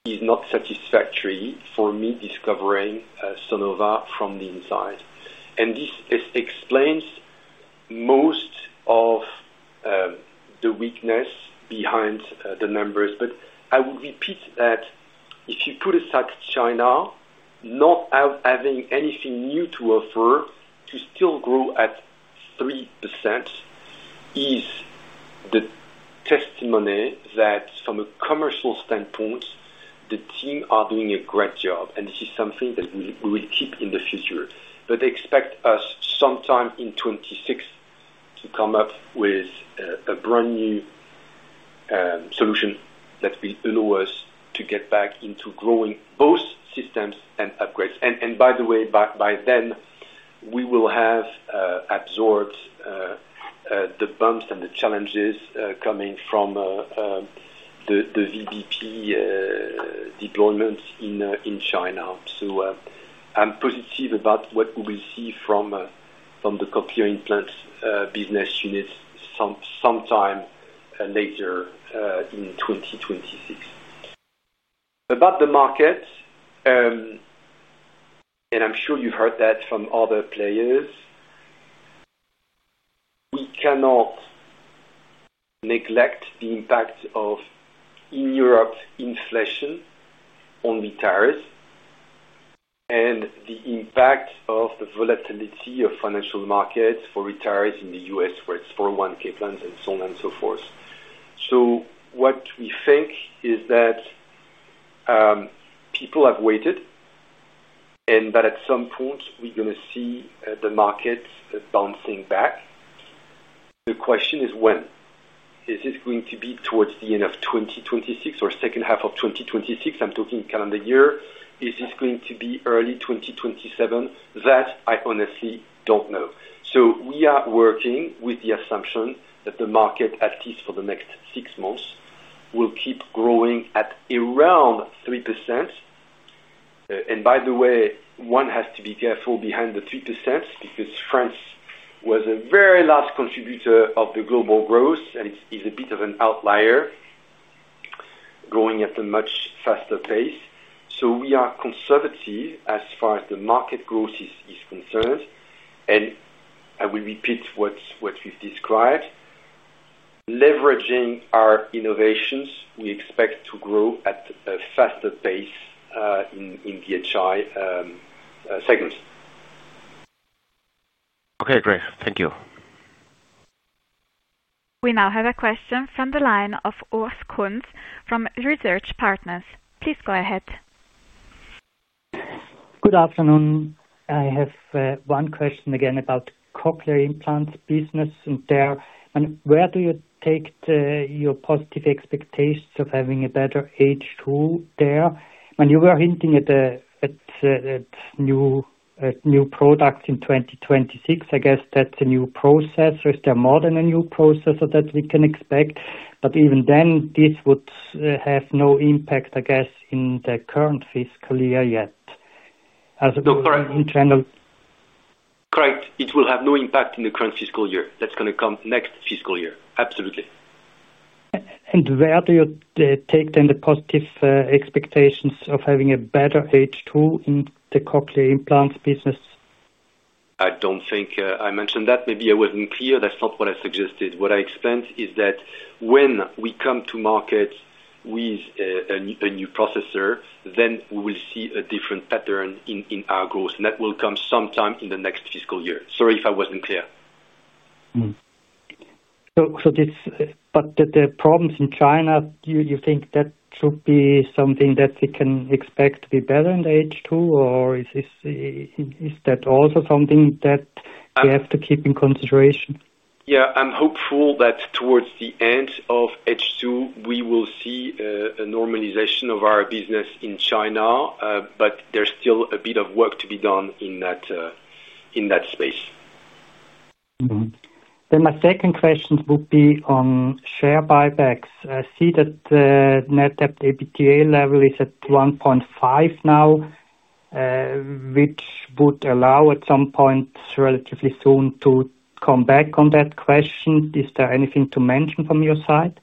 is not satisfactory for me discovering Sonova from the inside. This explains most of the weakness behind the numbers, but I would repeat that if you put aside China, not having anything new to offer, to still grow at 3% is the testimony that from a commercial standpoint, the team are doing a great job, and this is something that we will keep in the future. Expect us sometime in 2026 to come up with a brand new solution that will allow us to get back into growing both systems and upgrades. By the way, by then, we will have absorbed the bumps and the challenges coming from the VBP deployments in China. I am positive about what we will see from the cochlear implants business units sometime later in 2026. About the market, and I'm sure you've heard that from other players, we cannot neglect the impact of in-Europe inflation on retirees and the impact of the volatility of financial markets for retirees in the U.S., where it's 401(k) plans and so on and so forth. What we think is that people have waited, and that at some point, we're going to see the market bouncing back. The question is when. Is this going to be towards the end of 2026 or second half of 2026? I'm talking calendar year. Is this going to be early 2027? That I honestly don't know. We are working with the assumption that the market, at least for the next six months, will keep growing at around 3%. By the way, one has to be careful behind the 3% because France was a very large contributor of the global growth, and it is a bit of an outlier, growing at a much faster pace. We are conservative as far as the market growth is concerned. I will repeat what we've described. Leveraging our innovations, we expect to grow at a faster pace in the HI segments. Okay, great. Thank you. We now have a question from the line of Urs Kunz from Research Partners. Please go ahead. Good afternoon. I have one question again about cochlear implants business there. Where do you take your positive expectations of having a better age tool there? You were hinting at new products in 2026. I guess that's a new processor. Is there more than a new processor that we can expect? Even then, this would have no impact, I guess, in the current fiscal year yet. As a general? Correct. It will have no impact in the current fiscal year. That is going to come next fiscal year. Absolutely. Where do you take then the positive expectations of having a better age tool in the cochlear implants business? I do not think I mentioned that. Maybe I was not clear. That is not what I suggested. What I explained is that when we come to market with a new processor, then we will see a different pattern in our growth. That will come sometime in the next fiscal year. Sorry if I was not clear. The problems in China, you think that should be something that we can expect to be better in the age too, or is that also something that we have to keep in consideration? Yeah. I'm hopeful that towards the end of H2, we will see a normalization of our business in China, but there's still a bit of work to be done in that space. My second question would be on share buybacks. I see that net debt to EBITDA level is at 1.5 now, which would allow at some point relatively soon to come back on that question. Is there anything to mention from your side?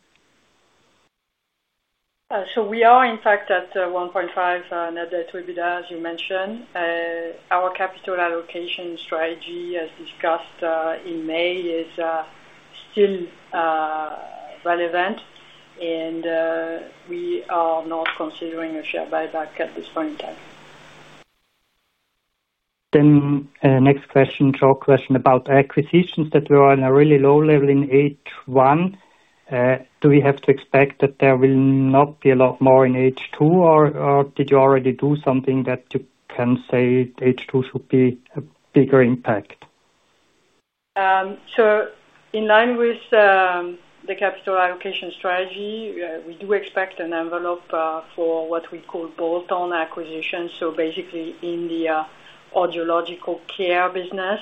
We are in fact at 1.5, net debt will be there, as you mentioned. Our capital allocation strategy, as discussed in May, is still relevant, and we are not considering a share buyback at this point in time. Next question, short question about acquisitions that were on a really low level in H1. Do we have to expect that there will not be a lot more in H2, or did you already do something that you can say H2 should be a bigger impact? In line with the capital allocation strategy, we do expect an envelope for what we call bolt-on acquisitions, so basically in the audiological care business.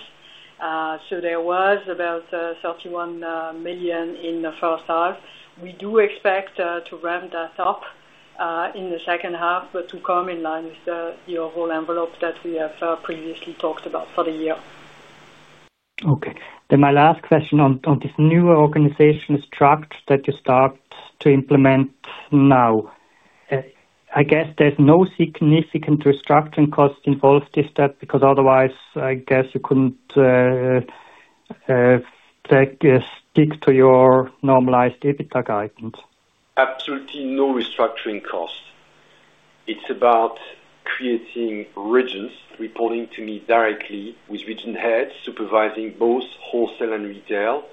There was about 31 million in the first half. We do expect to ramp that up in the second half, but to come in line with the overall envelope that we have previously talked about for the year. Okay. My last question on this new organization structure that you start to implement now. I guess there is no significant restructuring cost involved, is that? Because otherwise, I guess you could not stick to your normalized EBITDA guidance. Absolutely no restructuring cost. It's about creating regions reporting to me directly with region heads supervising both wholesale and retail.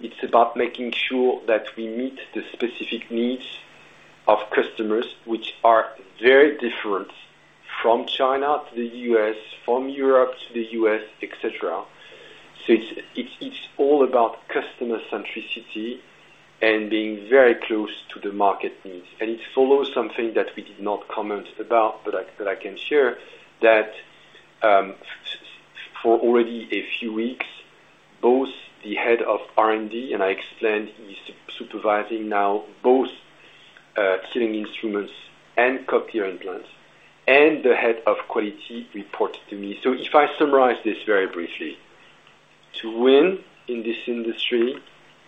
It's about making sure that we meet the specific needs of customers, which are very different from China to the US, from Europe to the US, etc. It's all about customer centricity and being very close to the market needs. It follows something that we did not comment about, but I can share that for already a few weeks, both the head of R&D, and I explained he's supervising now both hearing instruments and cochlear implants, and the head of quality reported to me. If I summarize this very briefly, to win in this industry,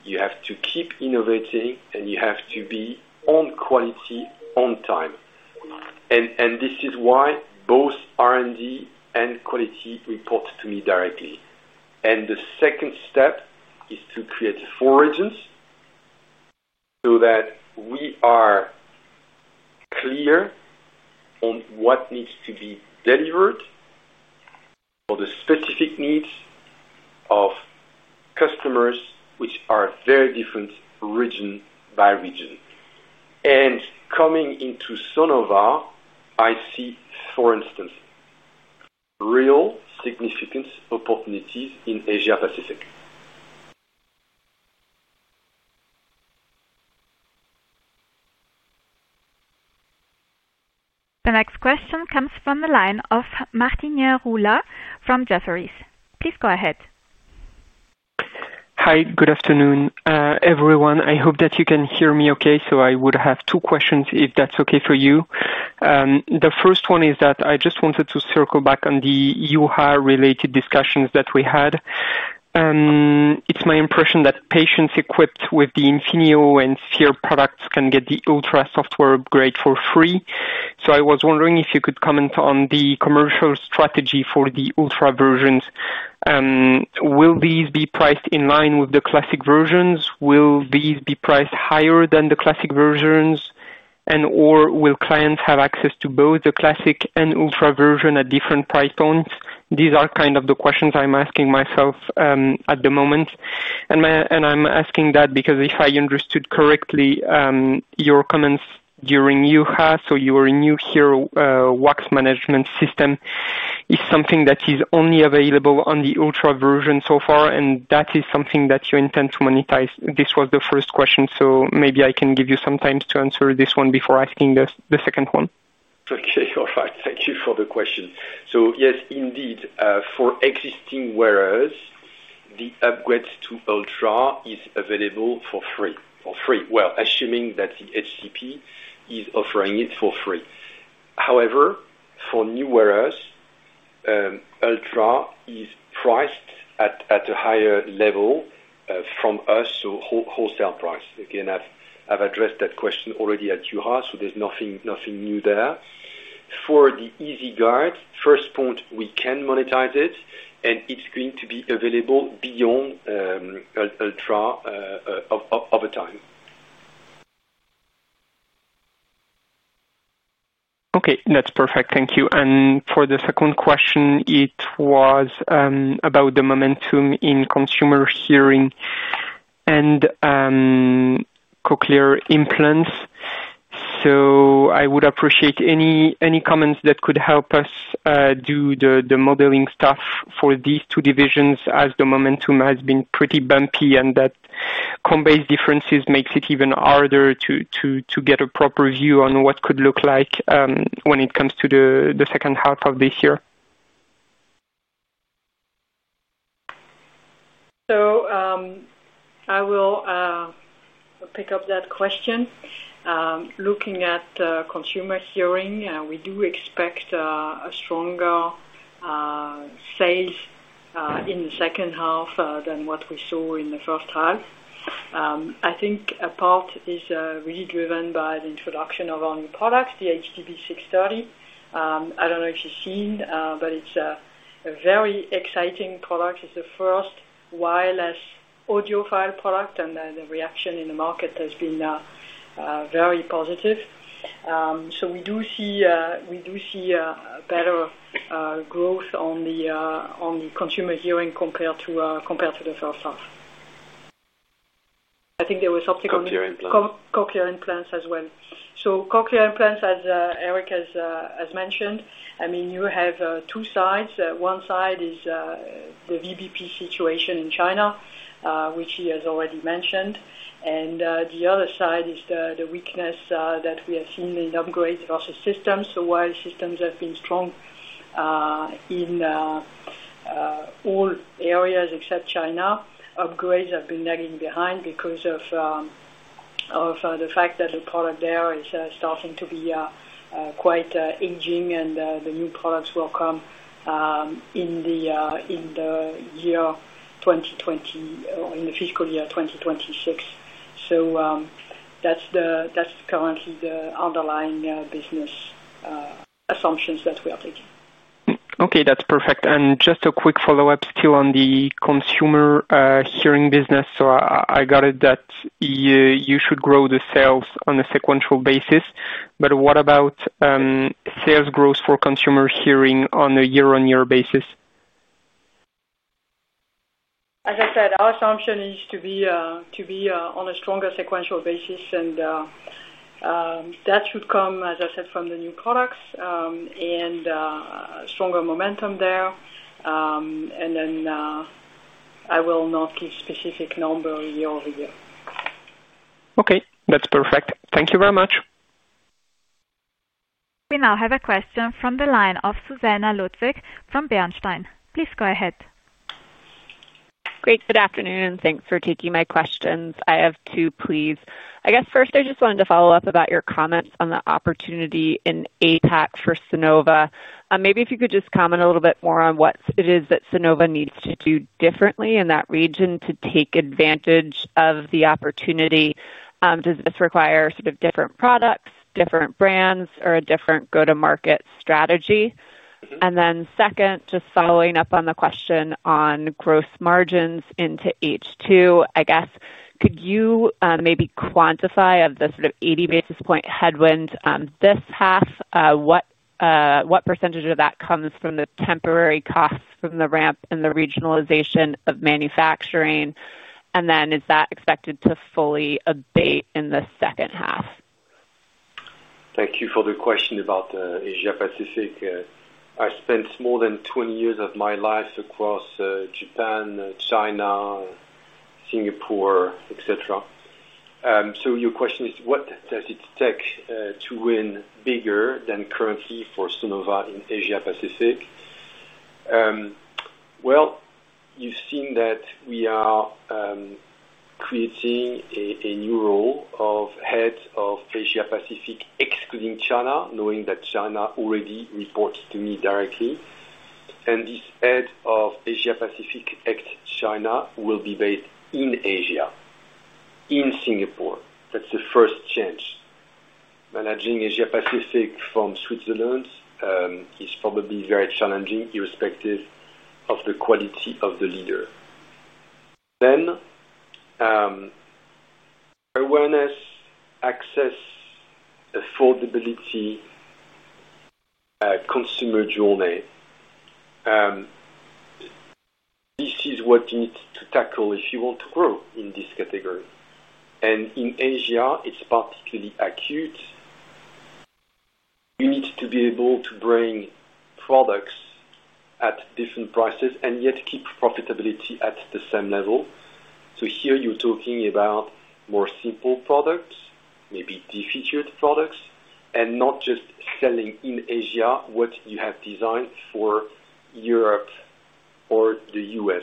you have to keep innovating, and you have to be on quality on time. This is why both R&D and quality report to me directly. The second step is to create four regions so that we are clear on what needs to be delivered for the specific needs of customers, which are very different region by region. Coming into Sonova, I see, for instance, real significant opportunities in Asia-Pacific. The next question comes from the line of Martin Coughlan from Jefferies. Please go ahead. Hi, good afternoon, everyone. I hope that you can hear me okay, so I would have two questions if that's okay for you. The first one is that I just wanted to circle back on the UHA-related discussions that we had. It's my impression that patients equipped with the Infinio and Sphere products can get the Ultra software upgrade for free. I was wondering if you could comment on the commercial strategy for the Ultra versions. Will these be priced in line with the classic versions? Will these be priced higher than the classic versions? And/or will clients have access to both the classic and Ultra version at different price points? These are kind of the questions I'm asking myself at the moment. And I'm asking that because if I understood correctly, your comments during UHA, so your new Hero Wax Management System, is something that is only available on the Ultra version so far, and that is something that you intend to monetize. This was the first question, so maybe I can give you some time to answer this one before asking the second one. Okay. All right. Thank you for the question. Yes, indeed, for existing wearers, the upgrade to Ultra is available for free. Assuming that the HCP is offering it for free. However, for new wearers, Ultra is priced at a higher level from us, so wholesale price. Again, I've addressed that question already at UHA, so there's nothing new there. For the EasyGuard, first point, we can monetize it, and it's going to be available beyond Ultra over time. Okay. That's perfect. Thank you. For the second question, it was about the momentum in consumer hearing and cochlear implants. I would appreciate any comments that could help us do the modeling stuff for these two divisions as the momentum has been pretty bumpy and that combined differences makes it even harder to get a proper view on what could look like when it comes to the second half of this year. I will pick up that question. Looking at consumer hearing, we do expect a stronger sales in the second half than what we saw in the first half. I think a part is really driven by the introduction of our new product, the HDB 630. I do not know if you have seen, but it is a very exciting product. It is the first wireless audiophile product, and the reaction in the market has been very positive. We do see better growth on the consumer hearing compared to the first half. I think there was something on the cochlear implants as well. Cochlear implants, as Eric has mentioned, I mean, you have two sides. One side is the VBP situation in China, which he has already mentioned. The other side is the weakness that we have seen in upgrades versus systems. While systems have been strong in all areas except China, upgrades have been lagging behind because of the fact that the product there is starting to be quite aging, and the new products will come in the year 2020 or in the fiscal year 2026. That is currently the underlying business assumptions that we are taking. Okay. That is perfect. Just a quick follow-up still on the consumer hearing business. I got it that you should grow the sales on a sequential basis. What about sales growth for consumer hearing on a year-on-year basis? As I said, our assumption is to be on a stronger sequential basis, and that should come, as I said, from the new products and stronger momentum there. I will not give specific numbers year-over-year. Okay. That is perfect. Thank you very much. We now have a question from the line of Susannah Ludwig from Bernstein. Please go ahead. Great. Good afternoon, and thanks for taking my questions. I have two, please. I guess first, I just wanted to follow up about your comments on the opportunity in APAC for Sonova. Maybe if you could just comment a little bit more on what it is that Sonova needs to do differently in that region to take advantage of the opportunity. Does this require sort of different products, different brands, or a different go-to-market strategy? Second, just following up on the question on gross margins into H2, I guess, could you maybe quantify of the sort of 80 basis point headwinds this half? What percentage of that comes from the temporary costs from the ramp in the regionalization of manufacturing? Is that expected to fully abate in the second half? Thank you for the question about Asia-Pacific. I spent more than 20 years of my life across Japan, China, Singapore, etc. Your question is, what does it take to win bigger than currently for Sonova in Asia-Pacific? You have seen that we are creating a new role of head of Asia-Pacific excluding China, knowing that China already reports to me directly. This head of Asia-Pacific excluding China will be based in Asia, in Singapore. That is the first change. Managing Asia-Pacific from Switzerland is probably very challenging, irrespective of the quality of the leader. Awareness, access, affordability, consumer journey. This is what you need to tackle if you want to grow in this category. In Asia, it is particularly acute. You need to be able to bring products at different prices and yet keep profitability at the same level. Here you are talking about more simple products, maybe defeatured products, and not just selling in Asia what you have designed for Europe or the US.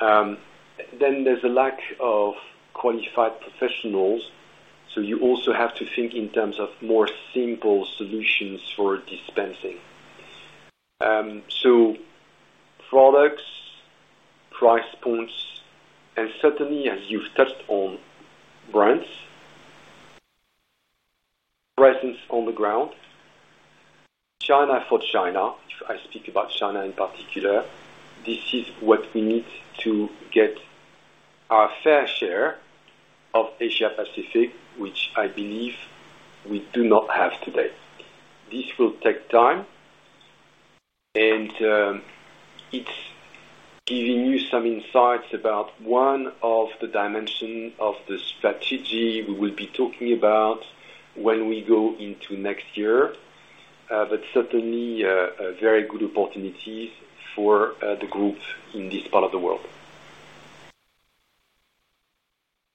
There is a lack of qualified professionals. You also have to think in terms of more simple solutions for dispensing. Products, price points, and certainly, as you have touched on, brands, presence on the ground. China for China, if I speak about China in particular, this is what we need to get our fair share of Asia-Pacific, which I believe we do not have today. This will take time, and it is giving you some insights about one of the dimensions of the strategy we will be talking about when we go into next year. But certainly, very good opportunities for the group in this part of the world.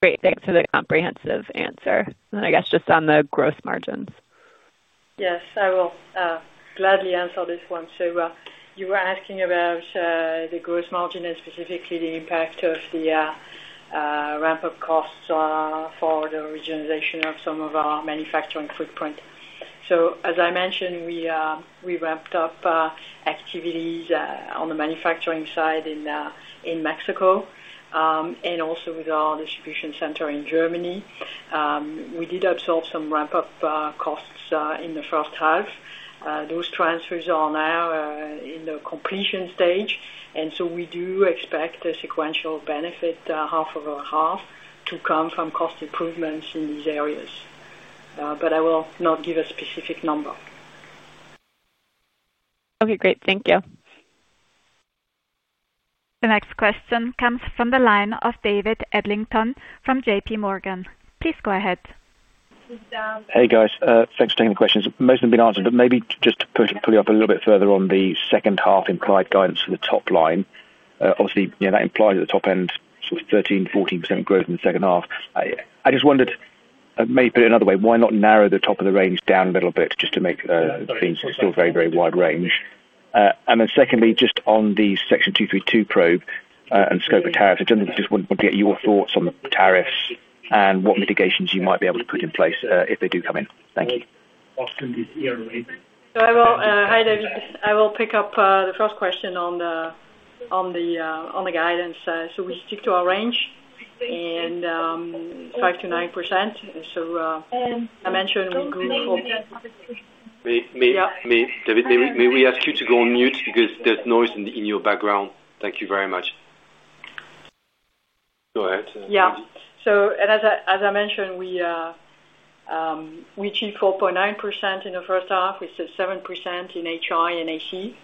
Great. Thanks for the comprehensive answer. I guess just on the gross margins. Yes, I will gladly answer this one. You were asking about the gross margin and specifically the impact of the ramp-up costs for the regionalization of some of our manufacturing footprint. As I mentioned, we ramped up activities on the manufacturing side in Mexico and also with our distribution center in Germany. We did absorb some ramp-up costs in the first half. Those transfers are now in the completion stage. We do expect a sequential benefit, half over half, to come from cost improvements in these areas. I will not give a specific number. Okay. Great. Thank you. The next question comes from the line of David Adlington from JPMorgan. Please go ahead. Hey, guys. Thanks for taking the questions. Most of them have been answered, but maybe just to pull you up a little bit further on the second half implied guidance for the top line. Obviously, that implies at the top end, sort of 13-14% growth in the second half. I just wondered, maybe put it another way, why not narrow the top of the range down a little bit just to make it seem still very, very wide range? And then secondly, just on the Section 232 probe and scope of tariffs, I just wanted to get your thoughts on the tariffs and what mitigations you might be able to put in place if they do come in. Thank you. I will, hi David. I will pick up the first question on the guidance. We stick to our range and 5-9%. I mentioned we go for. May we ask you to go on mute because there's noise in your background? Thank you very much. Go ahead. Yeah. As I mentioned, we achieved 4.9% in the first half. We said 7% in HI and AC.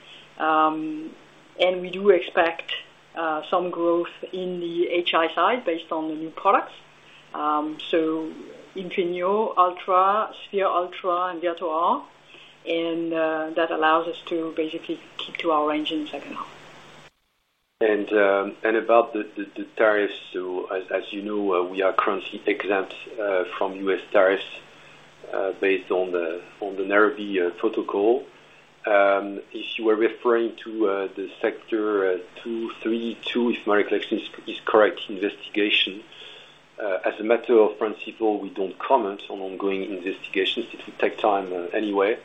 We do expect some growth in the HI side based on the new products. Infinio, Ultra, Sphere Ultra, and Virto R. That allows us to basically keep to our range in the second half. About the tariffs, as you know, we are currently exempt from U.S. tariffs based on the Nairobi Protocol. If you were referring to the Section 232, if my recollection is correct, investigation, as a matter of principle, we do not comment on ongoing investigations. It would take time anyway.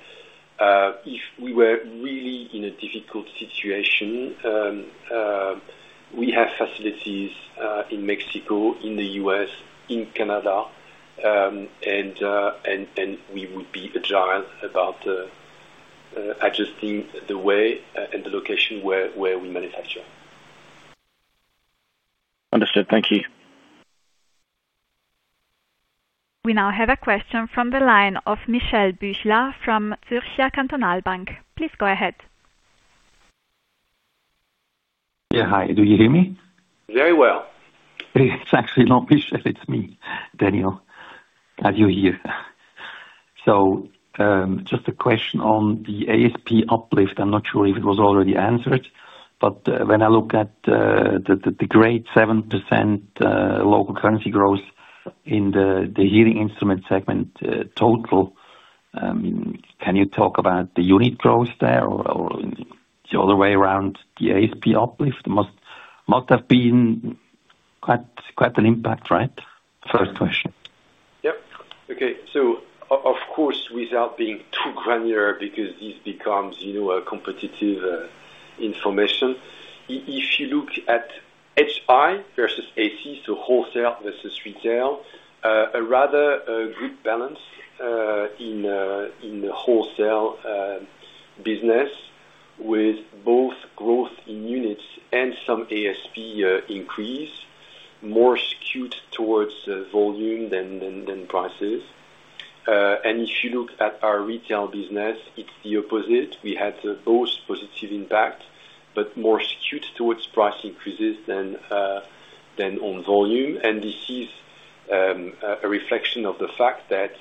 If we were really in a difficult situation, we have facilities in Mexico, in the US, in Canada, and we would be advised about adjusting the way and the location where we manufacture. Understood. Thank you. We now have a question from the line of Michelle Büchler from Zürcher Kantonalbank. Please go ahead. Yeah. Hi. Do you hear me? Very well. It's actually not Michelle, it's me, Daniel. How are you here? So just a question on the ASP uplift. I'm not sure if it was already answered, but when I look at the great 7% local currency growth in the hearing instrument segment total, can you talk about the unit growth there or the other way around, the ASP uplift must have been quite an impact, right? First question. Yep. Okay. Of course, without being too granular because this becomes competitive information, if you look at HI versus AC, so wholesale versus retail, a rather good balance in the wholesale business with both growth in units and some ASP increase, more skewed towards volume than prices. If you look at our retail business, it's the opposite. We had both positive impacts, but more skewed towards price increases than on volume. This is a reflection of the fact that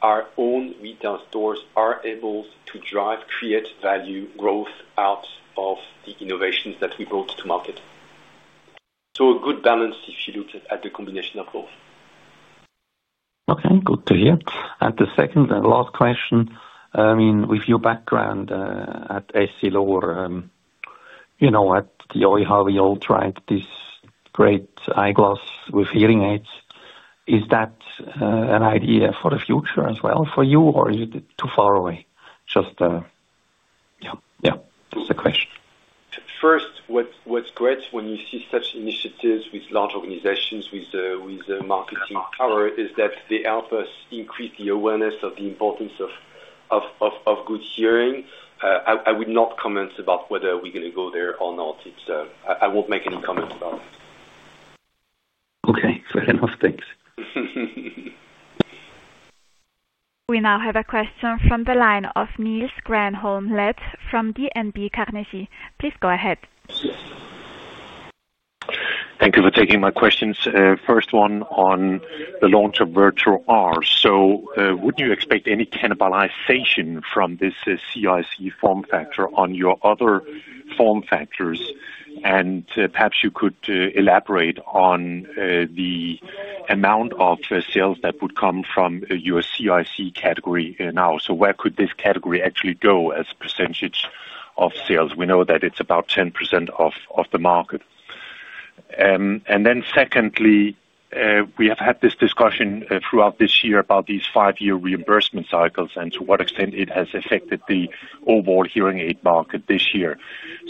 our own retail stores are able to drive, create value growth out of the innovations that we brought to market. A good balance if you look at the combination of both. Okay. Good to hear. The second and last question, I mean, with your background at Essilor, you already had a try on this, we all tried this great eyeglass with hearing aids. Is that an idea for the future as well for you, or is it too far away? Just a question. First, what's great when you see such initiatives with large organizations, with marketing power, is that they help us increase the awareness of the importance of good hearing. I would not comment about whether we're going to go there or not. I won't make any comments about it. Okay. Fair enough. Thanks. We now have a question from the line of Niels Granholm Leth from DNB Carnegie. Please go ahead. Thank you for taking my questions. First one on the launch of VirtoR. So wouldn't you expect any cannibalization from this CIC form factor on your other form factors? And perhaps you could elaborate on the amount of sales that would come from your CIC category now. So where could this category actually go as a percentage of sales? We know that it's about 10% of the market. Then secondly, we have had this discussion throughout this year about these five-year reimbursement cycles and to what extent it has affected the overall hearing aid market this year.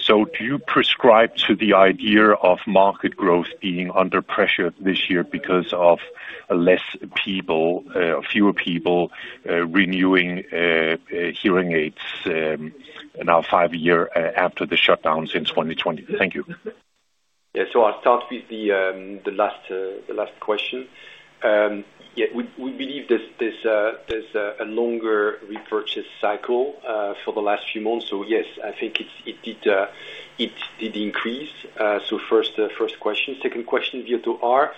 Do you prescribe to the idea of market growth being under pressure this year because of fewer people renewing hearing aids now five years after the shutdown since 2020? Thank you. Yeah. I'll start with the last question. Yeah. We believe there's a longer repurchase cycle for the last few months. Yes, I think it did increase. First question. Second question, Virto R.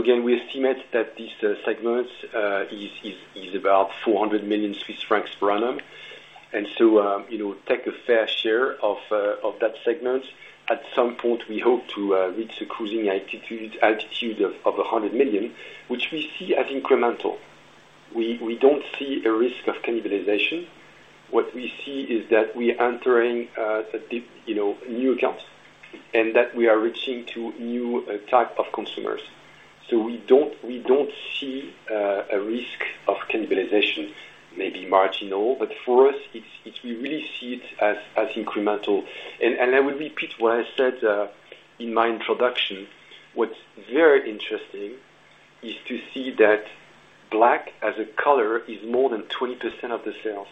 Again, we estimate that this segment is about 400 million Swiss francs per annum. Take a fair share of that segment. At some point, we hope to reach a closing altitude of 100 million, which we see as incremental. We do not see a risk of cannibalization. What we see is that we are entering new accounts and that we are reaching to new types of consumers. We do not see a risk of cannibalization, maybe marginal, but for us, we really see it as incremental. I would repeat what I said in my introduction. What is very interesting is to see that black as a color is more than 20% of the sales.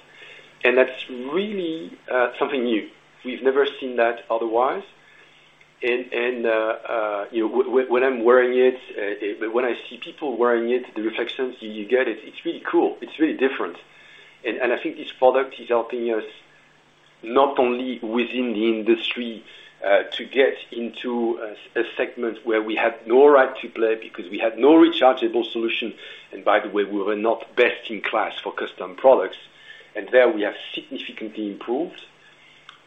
That is really something new. We have never seen that otherwise. When I am wearing it, when I see people wearing it, the reflections you get, it is really cool. It is really different. I think this product is helping us not only within the industry to get into a segment where we had no right to play because we had no rechargeable solution. By the way, we were not best in class for custom products. There we have significantly improved.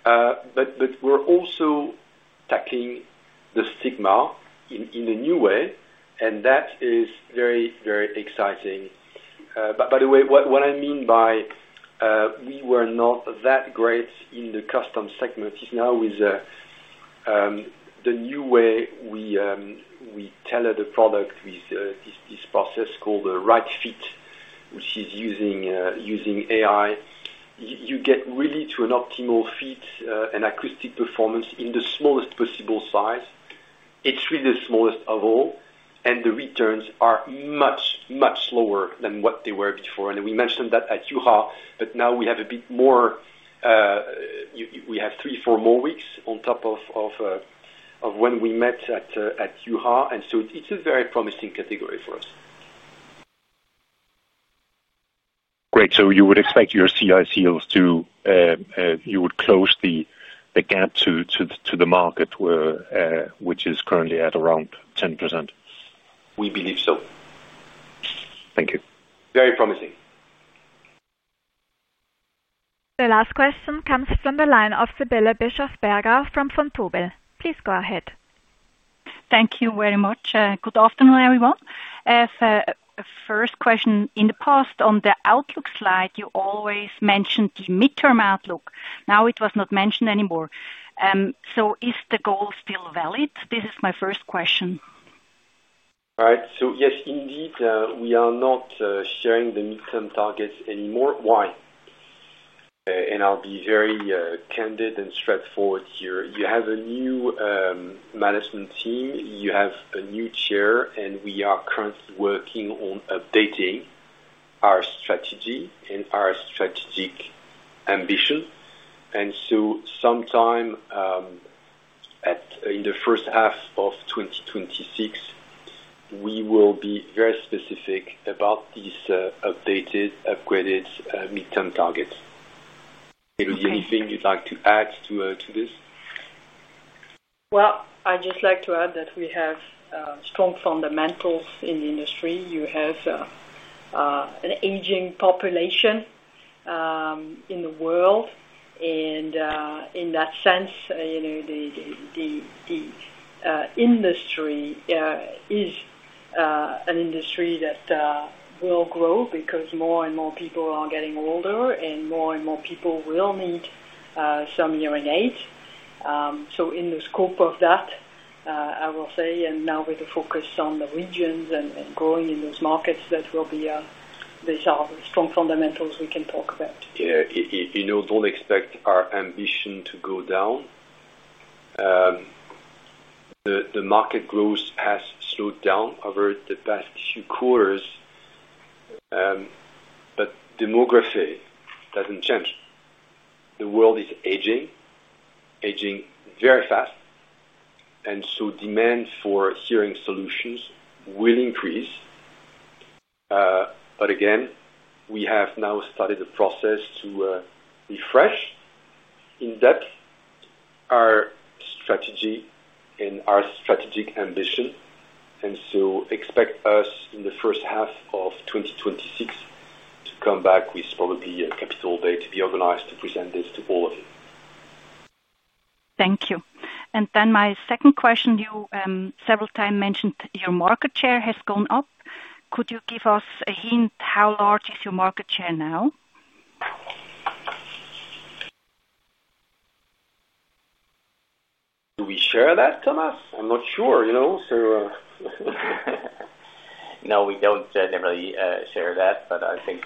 We are also tackling the stigma in a new way. That is very, very exciting. By the way, what I mean by we were not that great in the custom segment is now with the new way we tailor the product with this process called the right fit, which is using AI. You get really to an optimal fit and acoustic performance in the smallest possible size. It is really the smallest of all. The returns are much, much lower than what they were before. We mentioned that at UHA, but now we have a bit more, we have three, four more weeks on top of when we met at UHA. It is a very promising category for us. Great. You would expect your CICs to close the gap to the market, which is currently at around 10%. We believe so. Thank you. Very promising. The last question comes from the line of Sibylle Bischofberger from Vontobel. Please go ahead. Thank you very much. Good afternoon, everyone. First question. In the past, on the outlook slide, you always mentioned the midterm outlook. Now it was not mentioned anymore. Is the goal still valid? This is my first question. Right. Yes, indeed, we are not sharing the midterm targets anymore. Why? I'll be very candid and straightforward here. You have a new management team. You have a new chair, and we are currently working on updating our strategy and our strategic ambition. Sometime in the first half of 2026, we will be very specific about these updated, upgraded midterm targets. Anything you'd like to add to this? I'd just like to add that we have strong fundamentals in the industry. You have an aging population in the world. In that sense, the industry is an industry that will grow because more and more people are getting older and more and more people will need some hearing aids. In the scope of that, I will say, and now with the focus on the regions and growing in those markets, these are strong fundamentals we can talk about. Yeah. Don't expect our ambition to go down. The market growth has slowed down over the past few quarters, but demography doesn't change. The world is aging, aging very fast. Demand for hearing solutions will increase. Again, we have now started the process to refresh in depth our strategy and our strategic ambition. Expect us in the first half of 2026 to come back with probably a capital day to be organized to present this to all of you. Thank you. My second question, you several times mentioned your market share has gone up. Could you give us a hint how large is your market share now? Do we share that, Thomas? I'm not sure. No, we do not generally share that. I think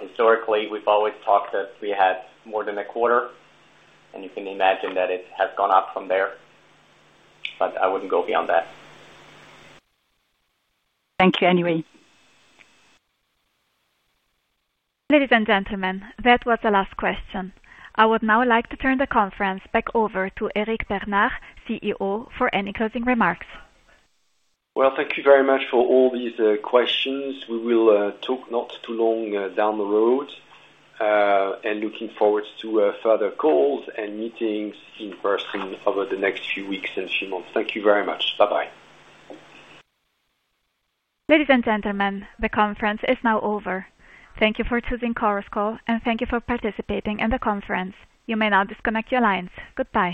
historically, we have always talked that we had more than a quarter. You can imagine that it has gone up from there. I would not go beyond that. Thank you anyway. Ladies and gentlemen, that was the last question. I would now like to turn the conference back over to Eric Bernard, CEO, for any closing remarks. Thank you very much for all these questions. We will talk not too long down the road and looking forward to further calls and meetings in person over the next few weeks and few months. Thank you very much. Bye-bye. Ladies and gentlemen, the conference is now over. Thank you for choosing Chorus Call, and thank you for participating in the conference. You may now disconnect your lines. Goodbye.